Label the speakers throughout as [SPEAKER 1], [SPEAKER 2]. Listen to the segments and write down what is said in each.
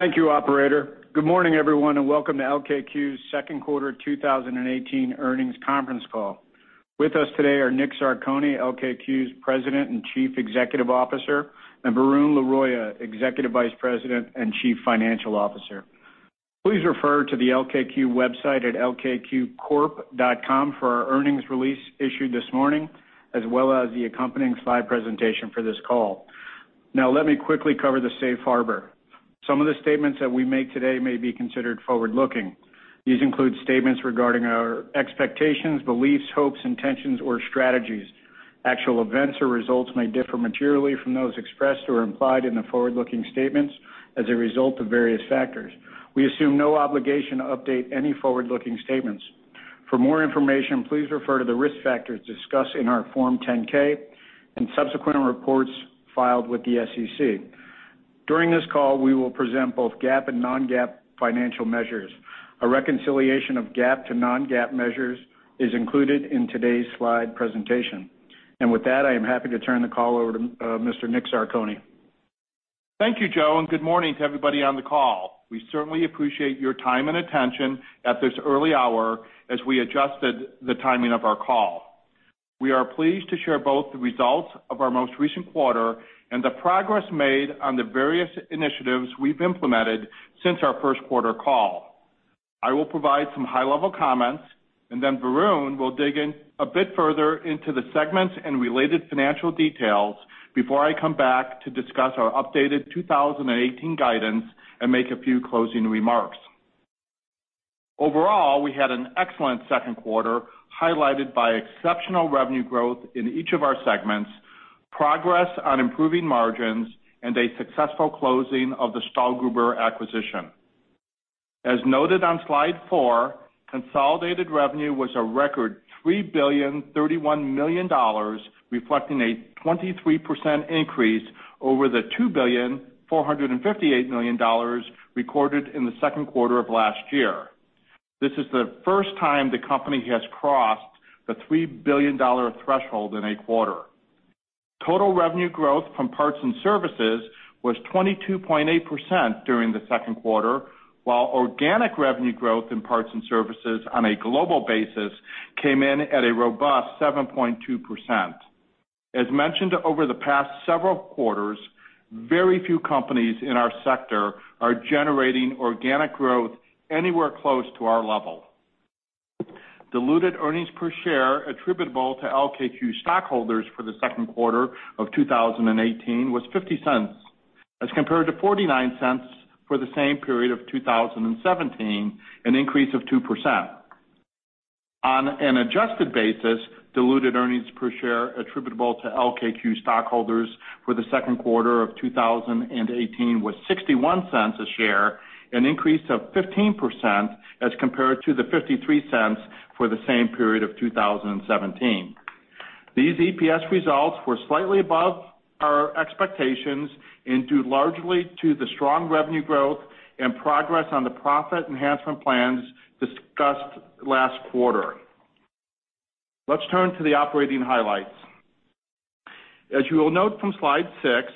[SPEAKER 1] Thank you operator. Welcome to LKQ's second quarter 2018 earnings conference call. With us today are Dominick Zarcone, LKQ's President and Chief Executive Officer, and Varun Laroyia, Executive Vice President and Chief Financial Officer. Please refer to the LKQ website at lkqcorp.com for our earnings release issued this morning, as well as the accompanying slide presentation for this call. Let me quickly cover the safe harbor. Some of the statements that we make today may be considered forward-looking. These include statements regarding our expectations, beliefs, hopes, intentions, or strategies. Actual events or results may differ materially from those expressed or implied in the forward-looking statements as a result of various factors. We assume no obligation to update any forward-looking statements. For more information, please refer to the risk factors discussed in our Form 10-K and subsequent reports filed with the SEC. During this call, we will present both GAAP and non-GAAP financial measures. A reconciliation of GAAP to non-GAAP measures is included in today's slide presentation. With that, I am happy to turn the call over to Mr. Dominick Zarcone.
[SPEAKER 2] Thank you, Joe. Good morning to everybody on the call. We certainly appreciate your time and attention at this early hour, as we adjusted the timing of our call. We are pleased to share both the results of our most recent quarter and the progress made on the various initiatives we've implemented since our first quarter call. I will provide some high-level comments. Then Varun will dig in a bit further into the segments and related financial details before I come back to discuss our updated 2018 guidance and make a few closing remarks. Overall, we had an excellent second quarter, highlighted by exceptional revenue growth in each of our segments, progress on improving margins, and a successful closing of the Stahlgruber acquisition. As noted on slide four, consolidated revenue was a record $3,031,000,000, reflecting a 23% increase over the $2,458,000,000 recorded in the second quarter of last year. This is the first time the company has crossed the $3 billion threshold in a quarter. Total revenue growth from parts and services was 22.8% during the second quarter, while organic revenue growth in parts and services on a global basis came in at a robust 7.2%. As mentioned over the past several quarters, very few companies in our sector are generating organic growth anywhere close to our level. Diluted earnings per share attributable to LKQ stockholders for the second quarter of 2018 was $0.50, as compared to $0.49 for the same period of 2017, an increase of 2%. On an adjusted basis, diluted earnings per share attributable to LKQ stockholders for the second quarter of 2018 was $0.61 a share, an increase of 15%, as compared to the $0.53 for the same period of 2017. These EPS results were slightly above our expectations, due largely to the strong revenue growth and progress on the profit enhancement plans discussed last quarter. Let's turn to the operating highlights. As you will note from slide six,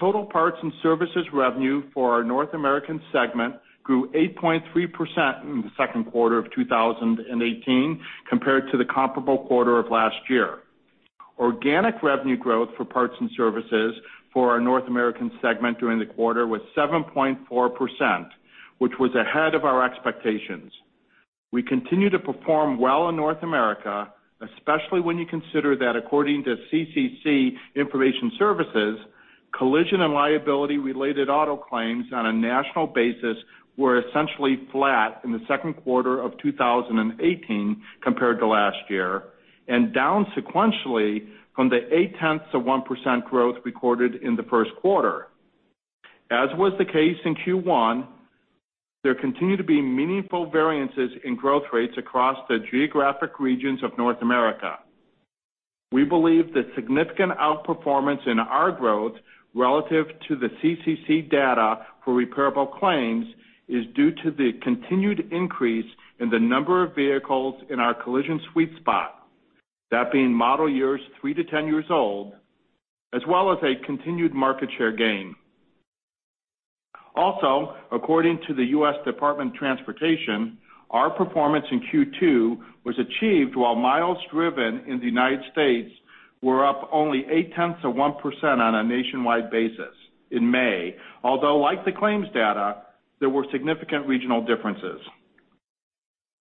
[SPEAKER 2] total parts and services revenue for our North American segment grew 8.3% in the second quarter of 2018 compared to the comparable quarter of last year. Organic revenue growth for parts and services for our North American segment during the quarter was 7.4%, which was ahead of our expectations. We continue to perform well in North America, especially when you consider that according to CCC Intelligent Solutions, collision and liability-related auto claims on a national basis were essentially flat in the second quarter of 2018 compared to last year, down sequentially from the 0.8% growth recorded in the first quarter. As was the case in Q1, there continue to be meaningful variances in growth rates across the geographic regions of North America. We believe the significant outperformance in our growth relative to the CCC data for repairable claims is due to the continued increase in the number of vehicles in our collision sweet spot, that being model years three to 10 years old, as well as a continued market share gain. According to the United States Department of Transportation, our performance in Q2 was achieved while miles driven in the United States were up only 0.8% on a nationwide basis in May. Although, like the claims data, there were significant regional differences.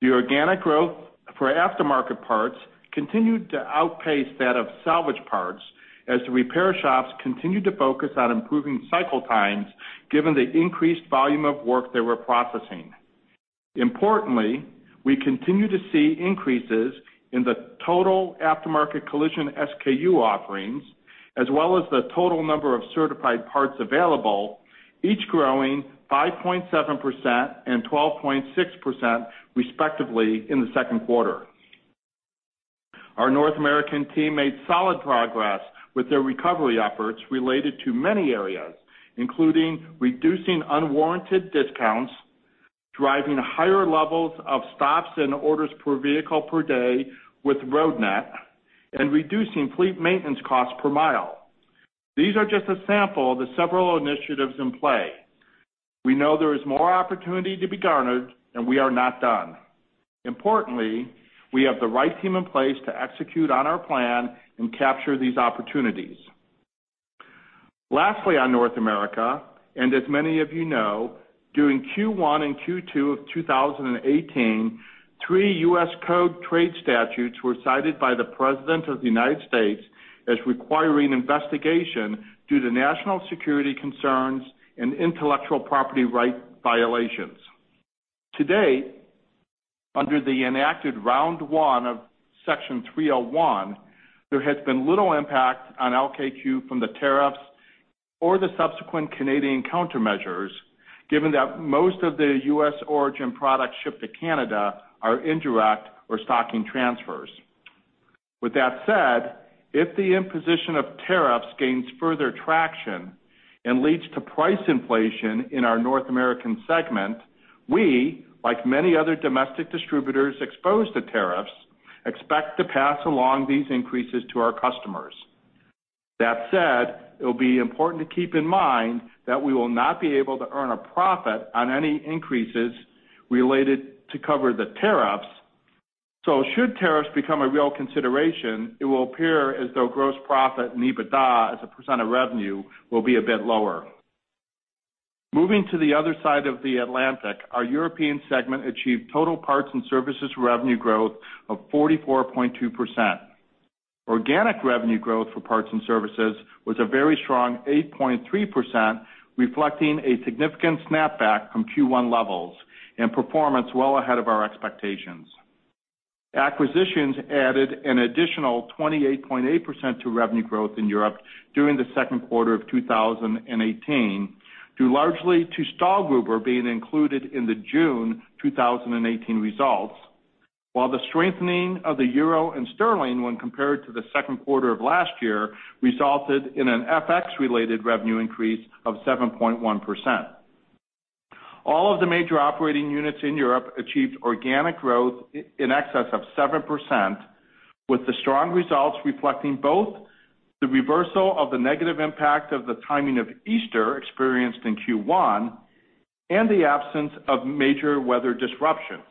[SPEAKER 2] The organic growth for aftermarket parts continued to outpace that of salvage parts as the repair shops continued to focus on improving cycle times given the increased volume of work they were processing. Importantly, we continue to see increases in the total aftermarket collision SKU offerings as well as the total number of certified parts available, each growing 5.7% and 12.6% respectively in the second quarter. Our North American team made solid progress with their recovery efforts related to many areas, including reducing unwarranted discounts, driving higher levels of stops and orders per vehicle per day with Roadnet, and reducing fleet maintenance costs per mile. These are just a sample of the several initiatives in play. We know there is more opportunity to be garnered, and we are not done. Importantly, we have the right team in place to execute on our plan and capture these opportunities. Lastly, on North America, as many of you know, during Q1 and Q2 of 2018, three U.S. code trade statutes were cited by the President of the United States as requiring investigation due to national security concerns and intellectual property right violations. To date, under the enacted round one of Section 301, there has been little impact on LKQ from the tariffs or the subsequent Canadian countermeasures, given that most of the U.S. origin products shipped to Canada are indirect or stocking transfers. With that said, if the imposition of tariffs gains further traction and leads to price inflation in our North American segment, we, like many other domestic distributors exposed to tariffs, expect to pass along these increases to our customers. That said, it will be important to keep in mind that we will not be able to earn a profit on any increases related to cover the tariffs. Should tariffs become a real consideration, it will appear as though gross profit and EBITDA as a % of revenue will be a bit lower. Moving to the other side of the Atlantic, our European segment achieved total parts and services revenue growth of 44.2%. Organic revenue growth for parts and services was a very strong 8.3%, reflecting a significant snapback from Q1 levels and performance well ahead of our expectations. Acquisitions added an additional 28.8% to revenue growth in Europe during the second quarter of 2018, due largely to Stahlgruber being included in the June 2018 results, while the strengthening of the EUR and GBP when compared to the second quarter of last year resulted in an FX-related revenue increase of 7.1%. All of the major operating units in Europe achieved organic growth in excess of 7%, with the strong results reflecting both the reversal of the negative impact of the timing of Easter experienced in Q1 and the absence of major weather disruptions.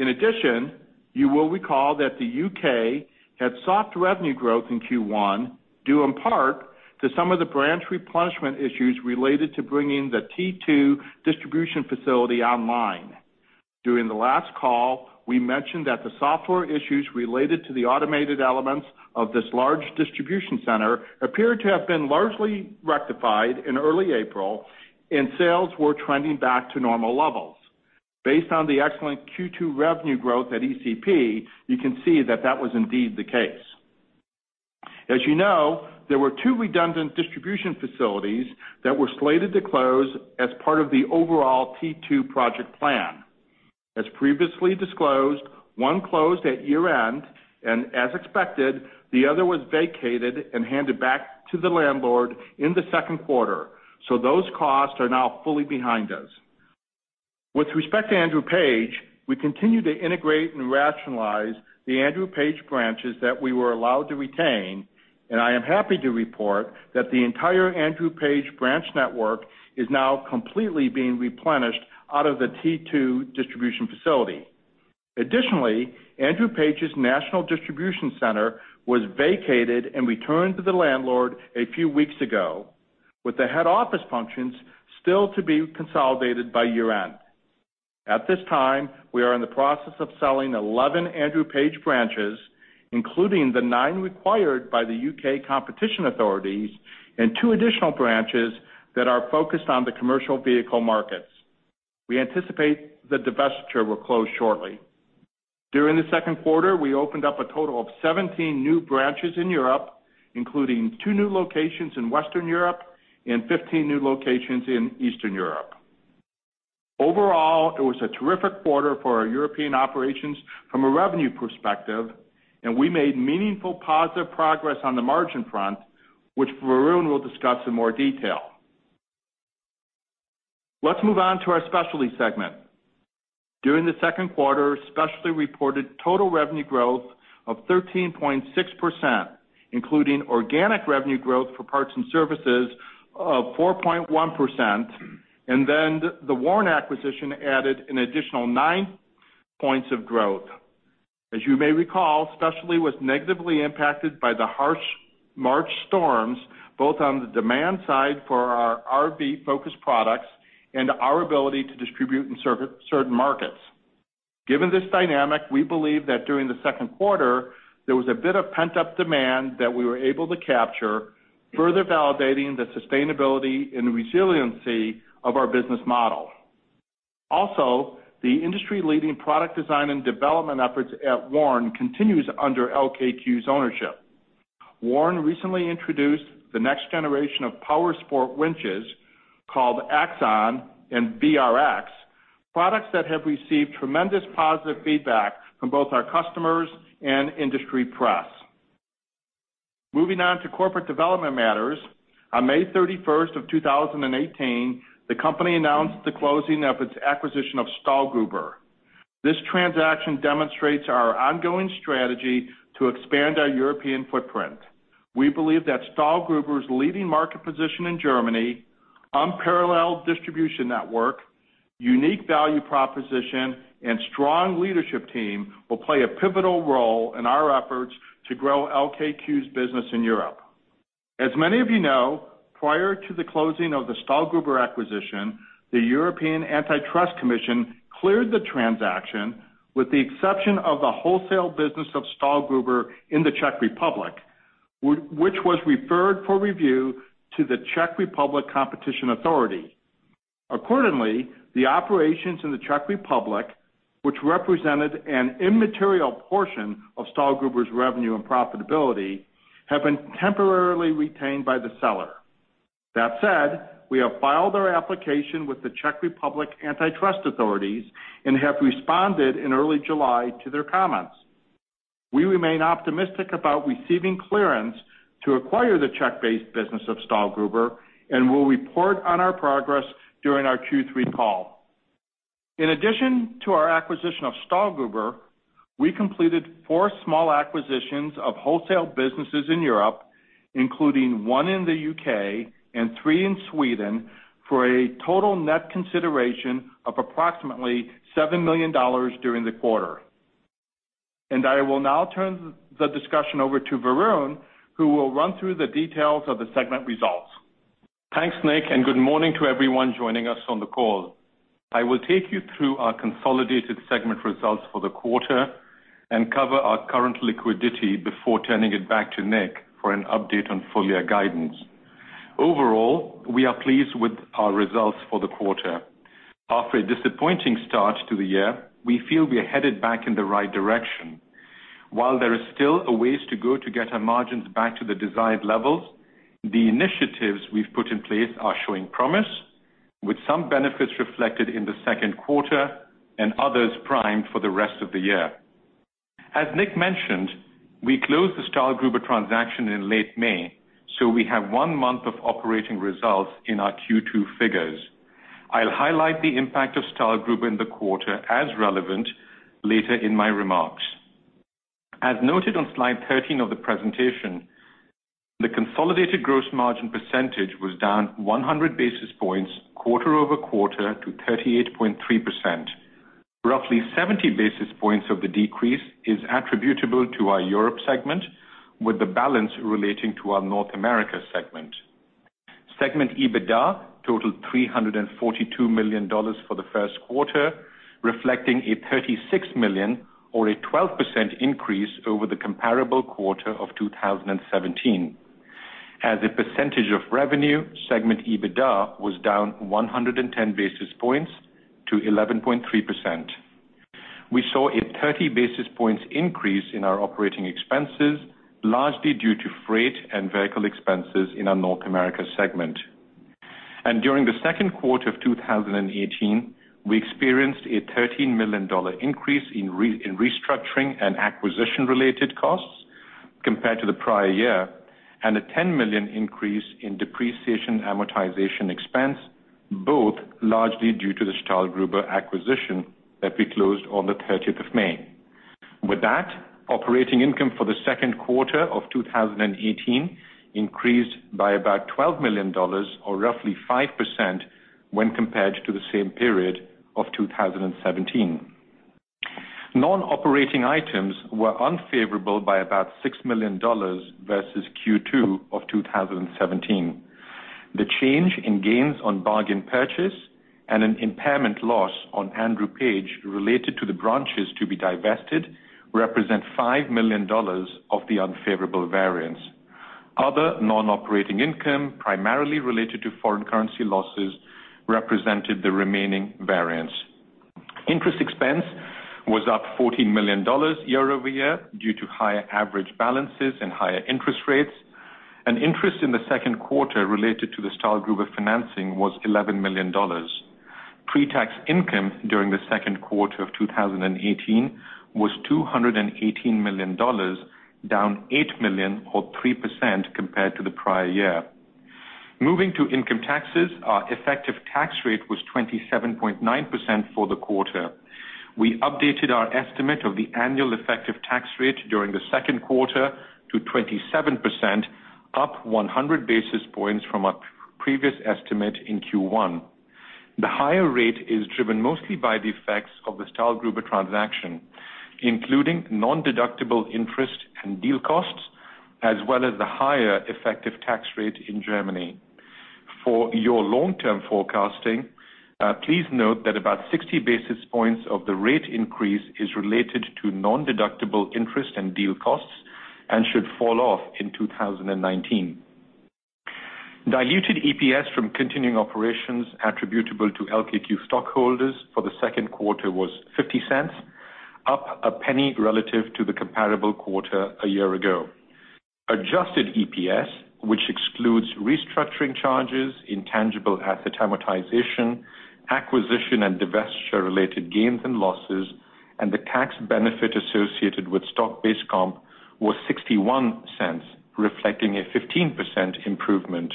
[SPEAKER 2] In addition, you will recall that the U.K. had soft revenue growth in Q1, due in part to some of the branch replenishment issues related to bringing the T2 distribution facility online. During the last call, we mentioned that the software issues related to the automated elements of this large distribution center appeared to have been largely rectified in early April, and sales were trending back to normal levels. Based on the excellent Q2 revenue growth at ECP, you can see that that was indeed the case. As you know, there were two redundant distribution facilities that were slated to close as part of the overall T2 project plan. As previously disclosed, one closed at year-end, and as expected, the other was vacated and handed back to the landlord in the second quarter. So those costs are now fully behind us. With respect to Andrew Page, we continue to integrate and rationalize the Andrew Page branches that we were allowed to retain, and I am happy to report that the entire Andrew Page branch network is now completely being replenished out of the T2 distribution facility. Additionally, Andrew Page's national distribution center was vacated and returned to the landlord a few weeks ago, with the head office functions still to be consolidated by year-end. At this time, we are in the process of selling 11 Andrew Page branches, including the nine required by the U.K. competition authorities and two additional branches that are focused on the commercial vehicle markets. We anticipate the divestiture will close shortly. During the second quarter, we opened up a total of 17 new branches in Europe, including two new locations in Western Europe and 15 new locations in Eastern Europe. Overall, it was a terrific quarter for our European operations from a revenue perspective. We made meaningful positive progress on the margin front, which Varun will discuss in more detail. Let's move on to our Specialty segment. During the second quarter, Specialty reported total revenue growth of 13.6%, including organic revenue growth for parts and services of 4.1%. The Warn acquisition added an additional nine points of growth. As you may recall, Specialty was negatively impacted by the harsh March storms, both on the demand side for our RV-focused products and our ability to distribute in certain markets. Given this dynamic, we believe that during the second quarter, there was a bit of pent-up demand that we were able to capture, further validating the sustainability and resiliency of our business model. The industry-leading product design and development efforts at Warn continues under LKQ's ownership. Warn recently introduced the next generation of powersport winches called AXON and VRX, products that have received tremendous positive feedback from both our customers and industry press. Corporate development matters. On May 31st of 2018, the company announced the closing of its acquisition of Stahlgruber. This transaction demonstrates our ongoing strategy to expand our European footprint. We believe that Stahlgruber's leading market position in Germany, unparalleled distribution network, unique value proposition, and strong leadership team will play a pivotal role in our efforts to grow LKQ's business in Europe. Many of you know, prior to the closing of the Stahlgruber acquisition, the European Antitrust Commission cleared the transaction, with the exception of the wholesale business of Stahlgruber in the Czech Republic, which was referred for review to the Czech Republic Competition Authority. Accordingly, the operations in the Czech Republic, which represented an immaterial portion of Stahlgruber's revenue and profitability, have been temporarily retained by the seller. That said, we have filed our application with the Czech Republic Antitrust Authorities and have responded in early July to their comments. We remain optimistic about receiving clearance to acquire the Czech-based business of Stahlgruber and will report on our progress during our Q3 call. In addition to our acquisition of Stahlgruber, we completed four small acquisitions of wholesale businesses in Europe, including one in the U.K. and three in Sweden, for a total net consideration of approximately $7 million during the quarter. I will now turn the discussion over to Varun, who will run through the details of the segment results.
[SPEAKER 3] Thanks, Nick. Good morning to everyone joining us on the call. I will take you through our consolidated segment results for the quarter and cover our current liquidity before turning it back to Nick for an update on full-year guidance. Overall, we are pleased with our results for the quarter. After a disappointing start to the year, we feel we are headed back in the right direction. While there is still a ways to go to get our margins back to the desired levels, the initiatives we've put in place are showing promise, with some benefits reflected in the second quarter and others primed for the rest of the year. Nick mentioned, we closed the Stahlgruber transaction in late May, so we have one month of operating results in our Q2 figures. I'll highlight the impact of Stahlgruber in the quarter as relevant later in my remarks. As noted on slide 13 of the presentation, the consolidated gross margin percentage was down 100 basis points quarter-over-quarter to 38.3%. Roughly 70 basis points of the decrease is attributable to our Europe segment, with the balance relating to our North America segment. Segment EBITDA totaled $342 million for the first quarter, reflecting a $36 million, or a 12% increase over the comparable quarter of 2017. As a percentage of revenue, segment EBITDA was down 110 basis points to 11.3%. We saw a 30 basis points increase in our operating expenses, largely due to freight and vehicle expenses in our North America segment. During the second quarter of 2018, we experienced a $13 million increase in restructuring and acquisition-related costs compared to the prior year, and a $10 million increase in depreciation amortization expense, both largely due to the Stahlgruber acquisition that we closed on the 30th of May. With that, operating income for the second quarter of 2018 increased by about $12 million, or roughly 5% when compared to the same period of 2017. Non-operating items were unfavorable by about $6 million versus Q2 of 2017. The change in gains on bargain purchase and an impairment loss on Andrew Page related to the branches to be divested represent $5 million of the unfavorable variance. Other non-operating income, primarily related to foreign currency losses, represented the remaining variance. Interest expense was up $14 million year-over-year due to higher average balances and higher interest rates, and interest in the second quarter related to the Stahlgruber financing was $11 million. Pre-tax income during the second quarter of 2018 was $218 million, down $8 million, or 3%, compared to the prior year. Moving to income taxes, our effective tax rate was 27.9% for the quarter. We updated our estimate of the annual effective tax rate during the second quarter to 27%, up 100 basis points from our previous estimate in Q1. The higher rate is driven mostly by the effects of the Stahlgruber transaction, including nondeductible interest and deal costs, as well as the higher effective tax rate in Germany. For your long-term forecasting, please note that about 60 basis points of the rate increase is related to nondeductible interest and deal costs and should fall off in 2019. Diluted EPS from continuing operations attributable to LKQ stockholders for the second quarter was $0.50, up $0.01 relative to the comparable quarter a year ago. Adjusted EPS, which restructuring charges, intangible asset amortization, acquisition and divestiture-related gains and losses, and the tax benefit associated with stock-based comp was $0.61, reflecting a 15% improvement.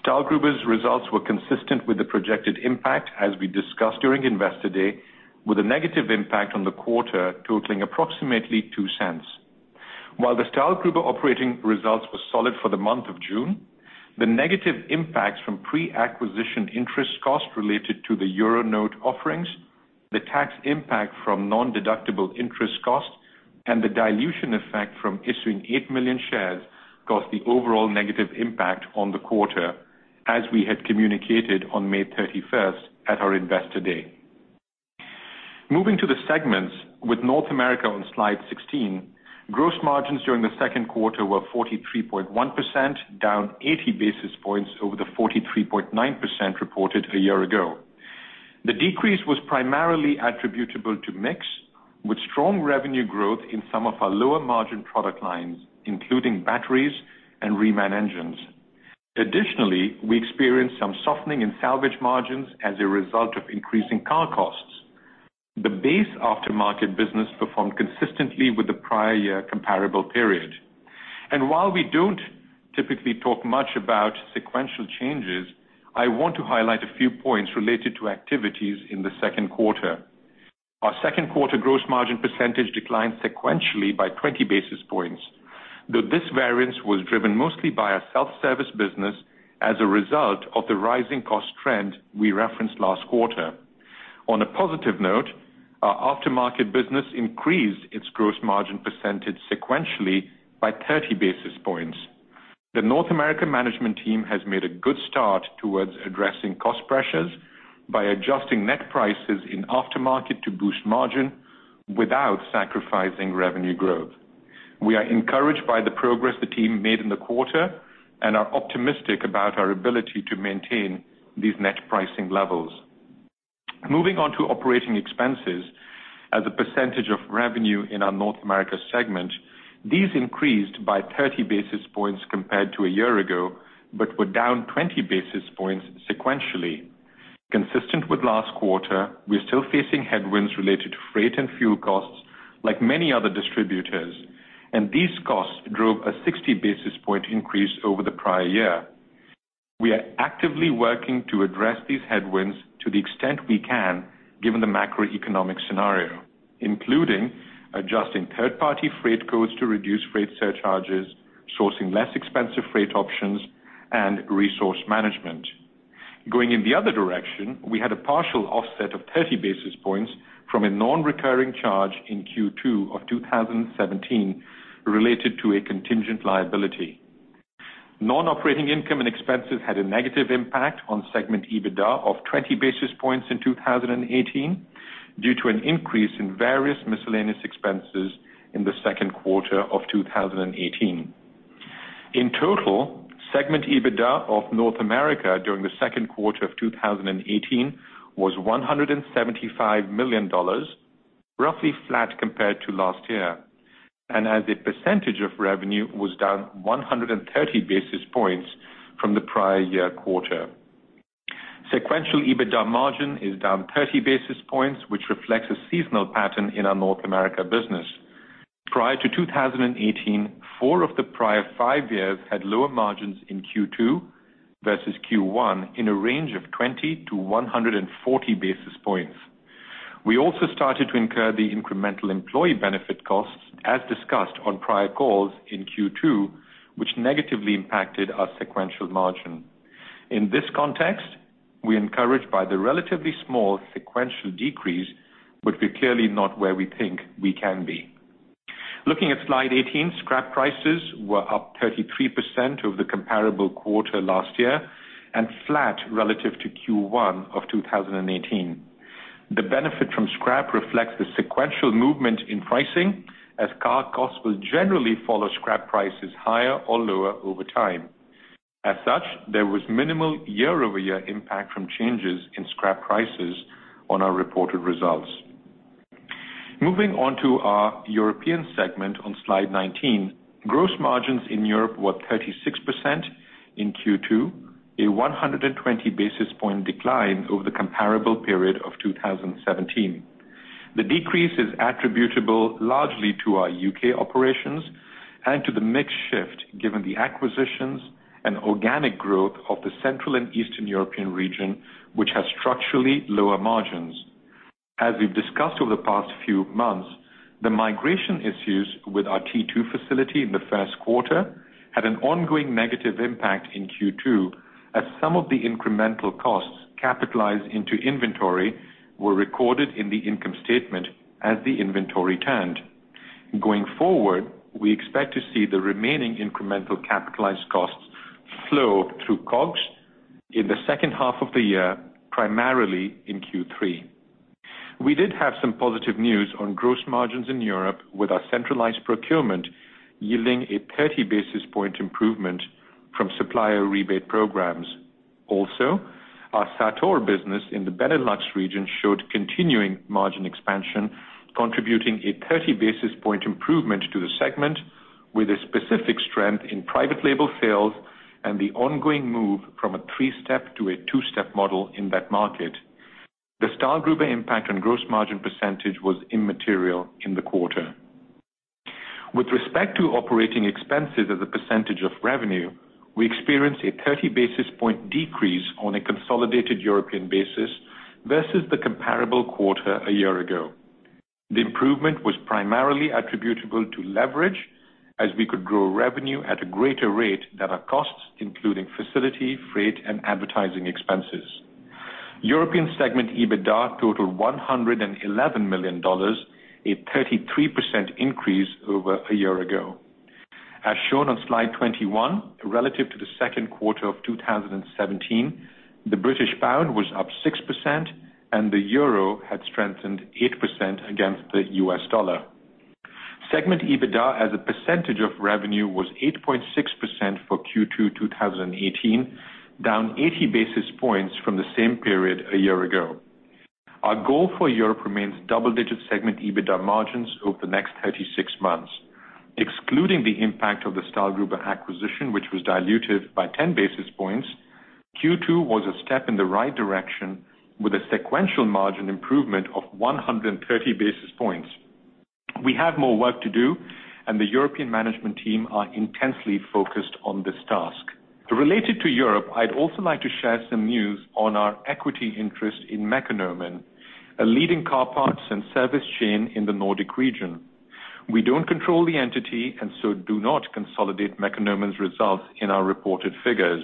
[SPEAKER 3] Stahlgruber's results were consistent with the projected impact, as we discussed during Investor Day, with a negative impact on the quarter totaling approximately $0.02. While the Stahlgruber operating results were solid for the month of June, the negative impacts from pre-acquisition interest costs related to the EUR note offerings, the tax impact from non-deductible interest costs, and the dilution effect from issuing 8 million shares cost the overall negative impact on the quarter, as we had communicated on May 31st at our Investor Day. Moving to the segments, with North America on slide 16, gross margins during the second quarter were 43.1%, down 80 basis points over the 43.9% reported a year ago. The decrease was primarily attributable to mix, with strong revenue growth in some of our lower-margin product lines, including batteries and reman engines. Additionally, we experienced some softening in salvage margins as a result of increasing car costs. The base aftermarket business performed consistently with the prior year comparable period. While we don't typically talk much about sequential changes, I want to highlight a few points related to activities in the second quarter. Our second quarter gross margin percentage declined sequentially by 20 basis points, though this variance was driven mostly by our self-service business as a result of the rising cost trend we referenced last quarter. On a positive note, our aftermarket business increased its gross margin percentage sequentially by 30 basis points. The North America management team has made a good start towards addressing cost pressures by adjusting net prices in aftermarket to boost margin without sacrificing revenue growth. We are encouraged by the progress the team made in the quarter and are optimistic about our ability to maintain these net pricing levels. Moving on to operating expenses as a percentage of revenue in our North America segment. These increased by 30 basis points compared to a year ago but were down 20 basis points sequentially. Consistent with last quarter, we're still facing headwinds related to freight and fuel costs like many other distributors. These costs drove a 60 basis point increase over the prior year. We are actively working to address these headwinds to the extent we can, given the macroeconomic scenario, including adjusting third-party freight codes to reduce freight surcharges, sourcing less expensive freight options, and resource management. Going in the other direction, we had a partial offset of 30 basis points from a non-recurring charge in Q2 of 2017 related to a contingent liability. Non-operating income and expenses had a negative impact on segment EBITDA of 20 basis points in 2018 due to an increase in various miscellaneous expenses in the second quarter of 2018. In total, segment EBITDA of North America during the second quarter of 2018 was $175 million, roughly flat compared to last year, and as a percentage of revenue, was down 130 basis points from the prior year quarter. Sequential EBITDA margin is down 30 basis points, which reflects a seasonal pattern in our North America business. Prior to 2018, four of the prior five years had lower margins in Q2 versus Q1 in a range of 20-140 basis points. We also started to incur the incremental employee benefit costs as discussed on prior calls in Q2, which negatively impacted our sequential margin. In this context, we're encouraged by the relatively small sequential decrease, but we're clearly not where we think we can be. Looking at slide 18, scrap prices were up 33% over the comparable quarter last year and flat relative to Q1 of 2018. The benefit from scrap reflects the sequential movement in pricing, as car costs will generally follow scrap prices higher or lower over time. As such, there was minimal year-over-year impact from changes in scrap prices on our reported results. Moving on to our European segment on slide 19. Gross margins in Europe were 36% in Q2, a 120 basis point decline over the comparable period of 2017. The decrease is attributable largely to our U.K. operations and to the mix shift given the acquisitions and organic growth of the Central and Eastern European region, which has structurally lower margins. As we've discussed over the past few months, the migration issues with our T2 facility in the first quarter had an ongoing negative impact in Q2, as some of the incremental costs capitalized into inventory were recorded in the income statement as the inventory turned. Going forward, we expect to see the remaining incremental capitalized costs flow through COGS in the second half of the year, primarily in Q3. We did have some positive news on gross margins in Europe with our centralized procurement yielding a 30 basis point improvement from supplier rebate programs. Our Sator business in the Benelux region showed continuing margin expansion, contributing a 30 basis point improvement to the segment with a specific strength in private label sales and the ongoing move from a three-step to a two-step model in that market. The Stahlgruber impact on gross margin percentage was immaterial in the quarter. With respect to operating expenses as a percentage of revenue, we experienced a 30 basis point decrease on a consolidated European basis versus the comparable quarter a year ago. The improvement was primarily attributable to leverage as we could grow revenue at a greater rate than our costs, including facility, freight, and advertising expenses. European segment EBITDA totaled $111 million, a 33% increase over a year ago. As shown on slide 21, relative to the second quarter of 2017, the British pound was up 6% and the euro had strengthened 8% against the U.S. dollar. Segment EBITDA as a percentage of revenue was 8.6% for Q2 2018, down 80 basis points from the same period a year ago. Our goal for Europe remains double-digit segment EBITDA margins over the next 36 months. Excluding the impact of the Stahlgruber acquisition, which was diluted by 10 basis points, Q2 was a step in the right direction with a sequential margin improvement of 130 basis points. We have more work to do, and the European management team are intensely focused on this task. Related to Europe, I'd also like to share some news on our equity interest in Mekonomen, a leading car parts and service chain in the Nordic region. We don't control the entity and so do not consolidate Mekonomen's results in our reported figures.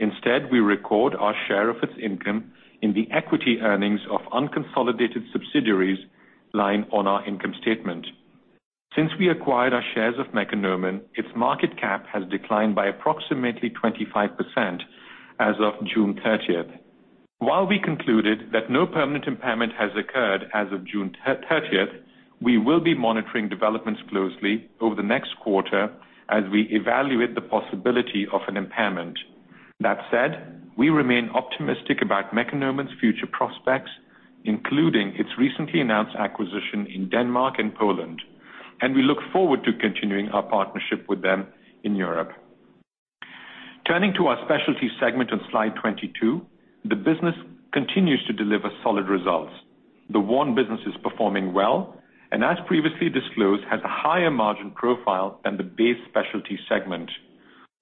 [SPEAKER 3] Instead, we record our share of its income in the equity earnings of unconsolidated subsidiaries line on our income statement. Since we acquired our shares of Mekonomen, its market cap has declined by approximately 25% as of June 30th. While we concluded that no permanent impairment has occurred as of June 30th, we will be monitoring developments closely over the next quarter as we evaluate the possibility of an impairment. That said, we remain optimistic about Mekonomen's future prospects, including its recently announced acquisition in Denmark and Poland, and we look forward to continuing our partnership with them in Europe. Turning to our specialty segment on slide 22, the business continues to deliver solid results. The Warn business is performing well, and as previously disclosed, has a higher margin profile than the base specialty segment.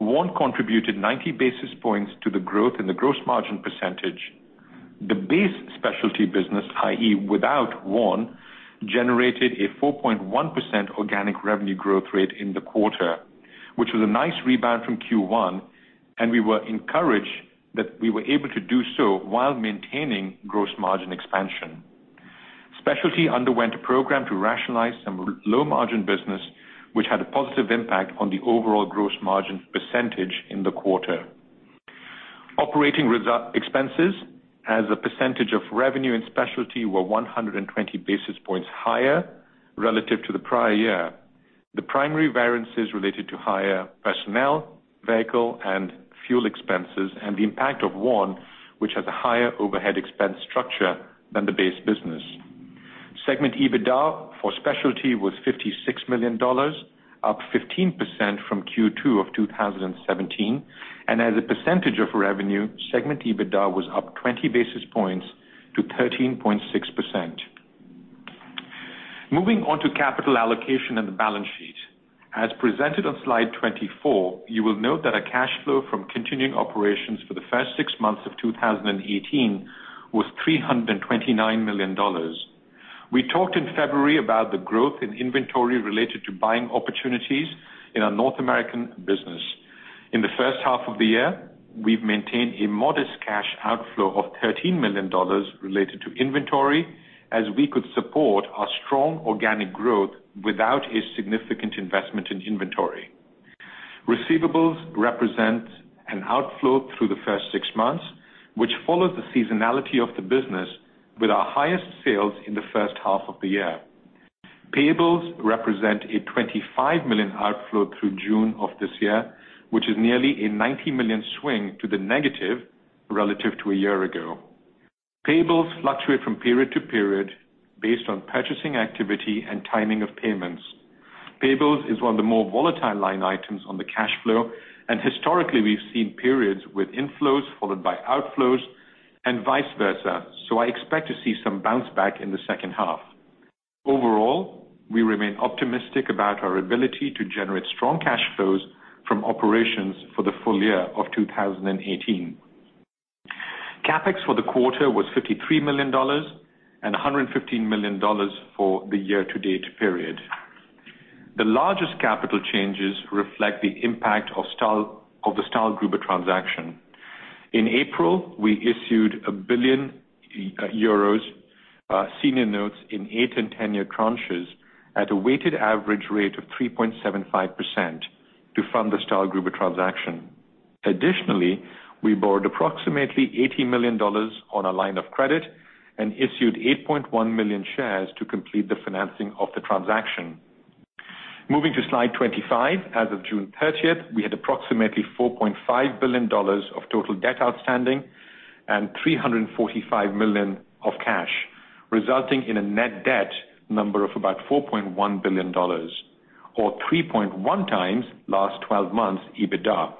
[SPEAKER 3] Warn contributed 90 basis points to the growth in the gross margin percentage. The base specialty business, i.e. without Warn, generated a 4.1% organic revenue growth rate in the quarter, which was a nice rebound from Q1, and we were encouraged that we were able to do so while maintaining gross margin expansion. Specialty underwent a program to rationalize some low-margin business, which had a positive impact on the overall gross margin percentage in the quarter. Operating expenses as a percentage of revenue and specialty were 120 basis points higher relative to the prior year. The primary variance is related to higher personnel, vehicle, and fuel expenses, and the impact of Warn, which has a higher overhead expense structure than the base business. Segment EBITDA for specialty was $56 million, up 15% from Q2 2017, and as a percentage of revenue, segment EBITDA was up 20 basis points to 13.6%. Moving on to capital allocation and the balance sheet. As presented on slide 24, you will note that our cash flow from continuing operations for the first six months of 2018 was $329 million. We talked in February about the growth in inventory related to buying opportunities in our North American business. In the first half of the year, we've maintained a modest cash outflow of $13 million related to inventory as we could support our strong organic growth without a significant investment in inventory. Receivables represent an outflow through the first six months, which follows the seasonality of the business with our highest sales in the first half of the year. Payables represent a $25 million outflow through June of this year, which is nearly a $90 million swing to the negative relative to a year ago. Payables fluctuate from period to period based on purchasing activity and timing of payments. Payables is one of the more volatile line items on the cash flow, and historically, we've seen periods with inflows followed by outflows and vice versa. I expect to see some bounce back in the second half. Overall, we remain optimistic about our ability to generate strong cash flows from operations for the full year of 2018. CapEx for the quarter was $53 million and $115 million for the year to date period. The largest capital changes reflect the impact of the Stahlgruber transaction. In April, we issued 1 billion euros senior notes in eight and 10-year tranches at a weighted average rate of 3.75% to fund the Stahlgruber transaction. Additionally, we borrowed approximately $80 million on a line of credit and issued 8.1 million shares to complete the financing of the transaction. Moving to slide 25. As of June 30th, we had approximately $4.5 billion of total debt outstanding and $345 million of cash, resulting in a net debt number of about $4.1 billion or 3.1 times last 12 months EBITDA.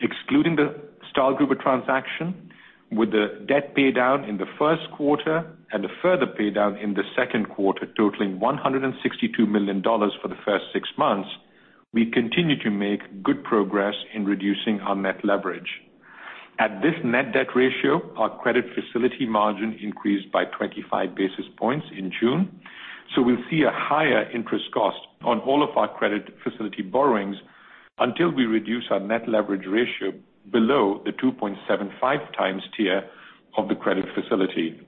[SPEAKER 3] Excluding the Stahlgruber transaction, with the debt paydown in the first quarter and a further paydown in the second quarter totaling $162 million for the first six months, we continue to make good progress in reducing our net leverage. At this net debt ratio, our credit facility margin increased by 25 basis points in June. We'll see a higher interest cost on all of our credit facility borrowings until we reduce our net leverage ratio below the 2.75 times tier of the credit facility.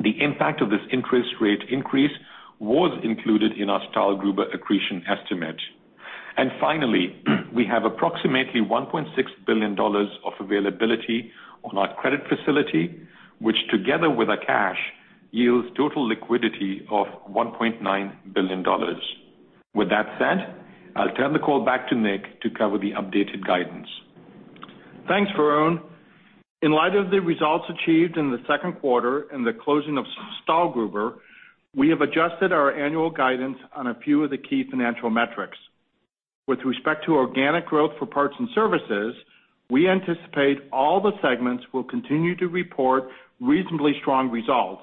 [SPEAKER 3] The impact of this interest rate increase was included in our Stahlgruber accretion estimate. Finally, we have approximately $1.6 billion of availability on our credit facility, which together with our cash, yields total liquidity of $1.9 billion. With that said, I'll turn the call back to Nick to cover the updated guidance.
[SPEAKER 2] Thanks, Varun. In light of the results achieved in the second quarter and the closing of Stahlgruber, we have adjusted our annual guidance on a few of the key financial metrics. With respect to organic growth for parts and services, we anticipate all the segments will continue to report reasonably strong results,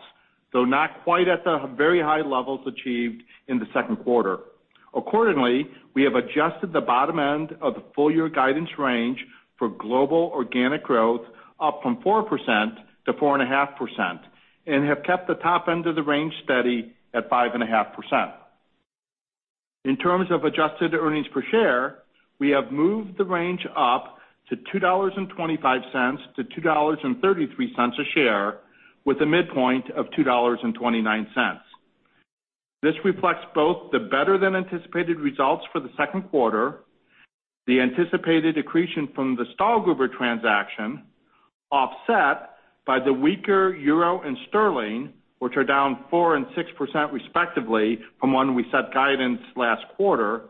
[SPEAKER 2] though not quite at the very high levels achieved in the second quarter. Accordingly, we have adjusted the bottom end of the full year guidance range for global organic growth up from 4%-4.5% and have kept the top end of the range steady at 5.5%. In terms of adjusted earnings per share, we have moved the range up to $2.25-$2.33 a share with a midpoint of $2.29. This reflects both the better than anticipated results for the second quarter, the anticipated accretion from the Stahlgruber transaction, offset by the weaker EUR and GBP, which are down 4% and 6% respectively from when we set guidance last quarter,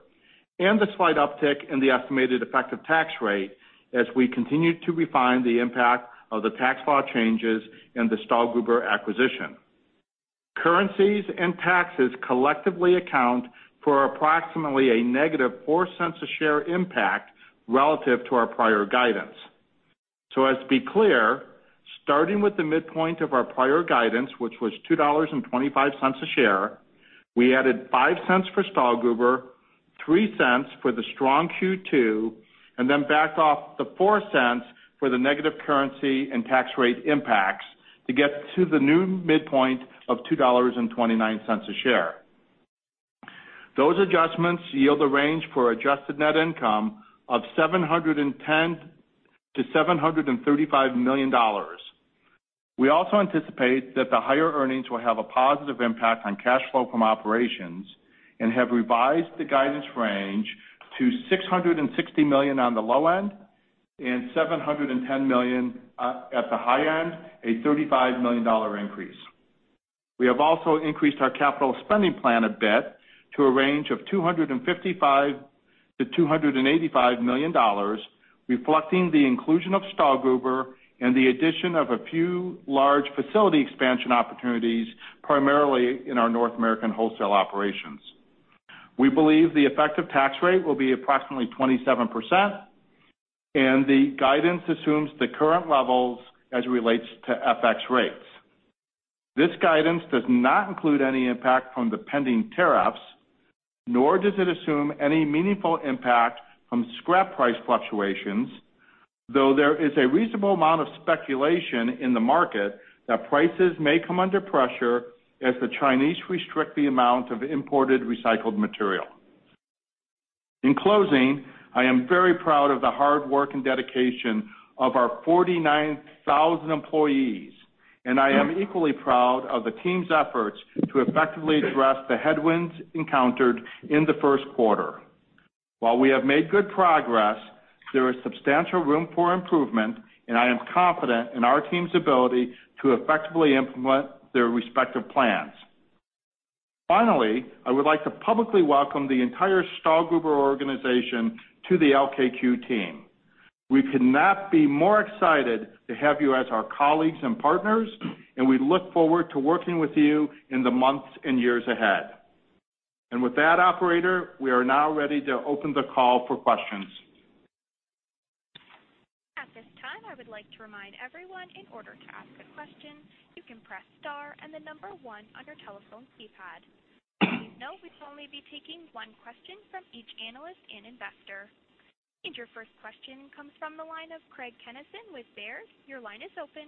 [SPEAKER 2] and the slight uptick in the estimated effective tax rate as we continue to refine the impact of the tax law changes and the Stahlgruber acquisition. Currencies and taxes collectively account for approximately a negative $0.04 a share impact relative to our prior guidance. As to be clear, starting with the midpoint of our prior guidance, which was $2.25 a share, we added $0.05 for Stahlgruber, $0.03 for the strong Q2, then backed off the $0.04 for the negative currency and tax rate impacts to get to the new midpoint of $2.29 a share. Those adjustments yield a range for adjusted net income of $710 million-$735 million. We also anticipate that the higher earnings will have a positive impact on cash flow from operations and have revised the guidance range to $660 million on the low end and $710 million at the high end, a $35 million increase. We have also increased our capital spending plan a bit to a range of $255 million-$285 million, reflecting the inclusion of Stahlgruber and the addition of a few large facility expansion opportunities, primarily in our North American wholesale operations. We believe the effective tax rate will be approximately 27%, and the guidance assumes the current levels as it relates to FX rates. This guidance does not include any impact from the pending tariffs, nor does it assume any meaningful impact from scrap price fluctuations, though there is a reasonable amount of speculation in the market that prices may come under pressure as the Chinese restrict the amount of imported recycled material. In closing, I am very proud of the hard work and dedication of our 49,000 employees, and I am equally proud of the team's efforts to effectively address the headwinds encountered in the first quarter. While we have made good progress, there is substantial room for improvement, and I am confident in our team's ability to effectively implement their respective plans. Finally, I would like to publicly welcome the entire Stahlgruber organization to the LKQ team. We could not be more excited to have you as our colleagues and partners, and we look forward to working with you in the months and years ahead. With that operator, we are now ready to open the call for questions.
[SPEAKER 4] At this time, I would like to remind everyone in order to ask a question, you can press star and the number one on your telephone keypad. As you know, we will only be taking one question from each analyst and investor. Your first question comes from the line of Craig Kennison with Baird. Your line is open.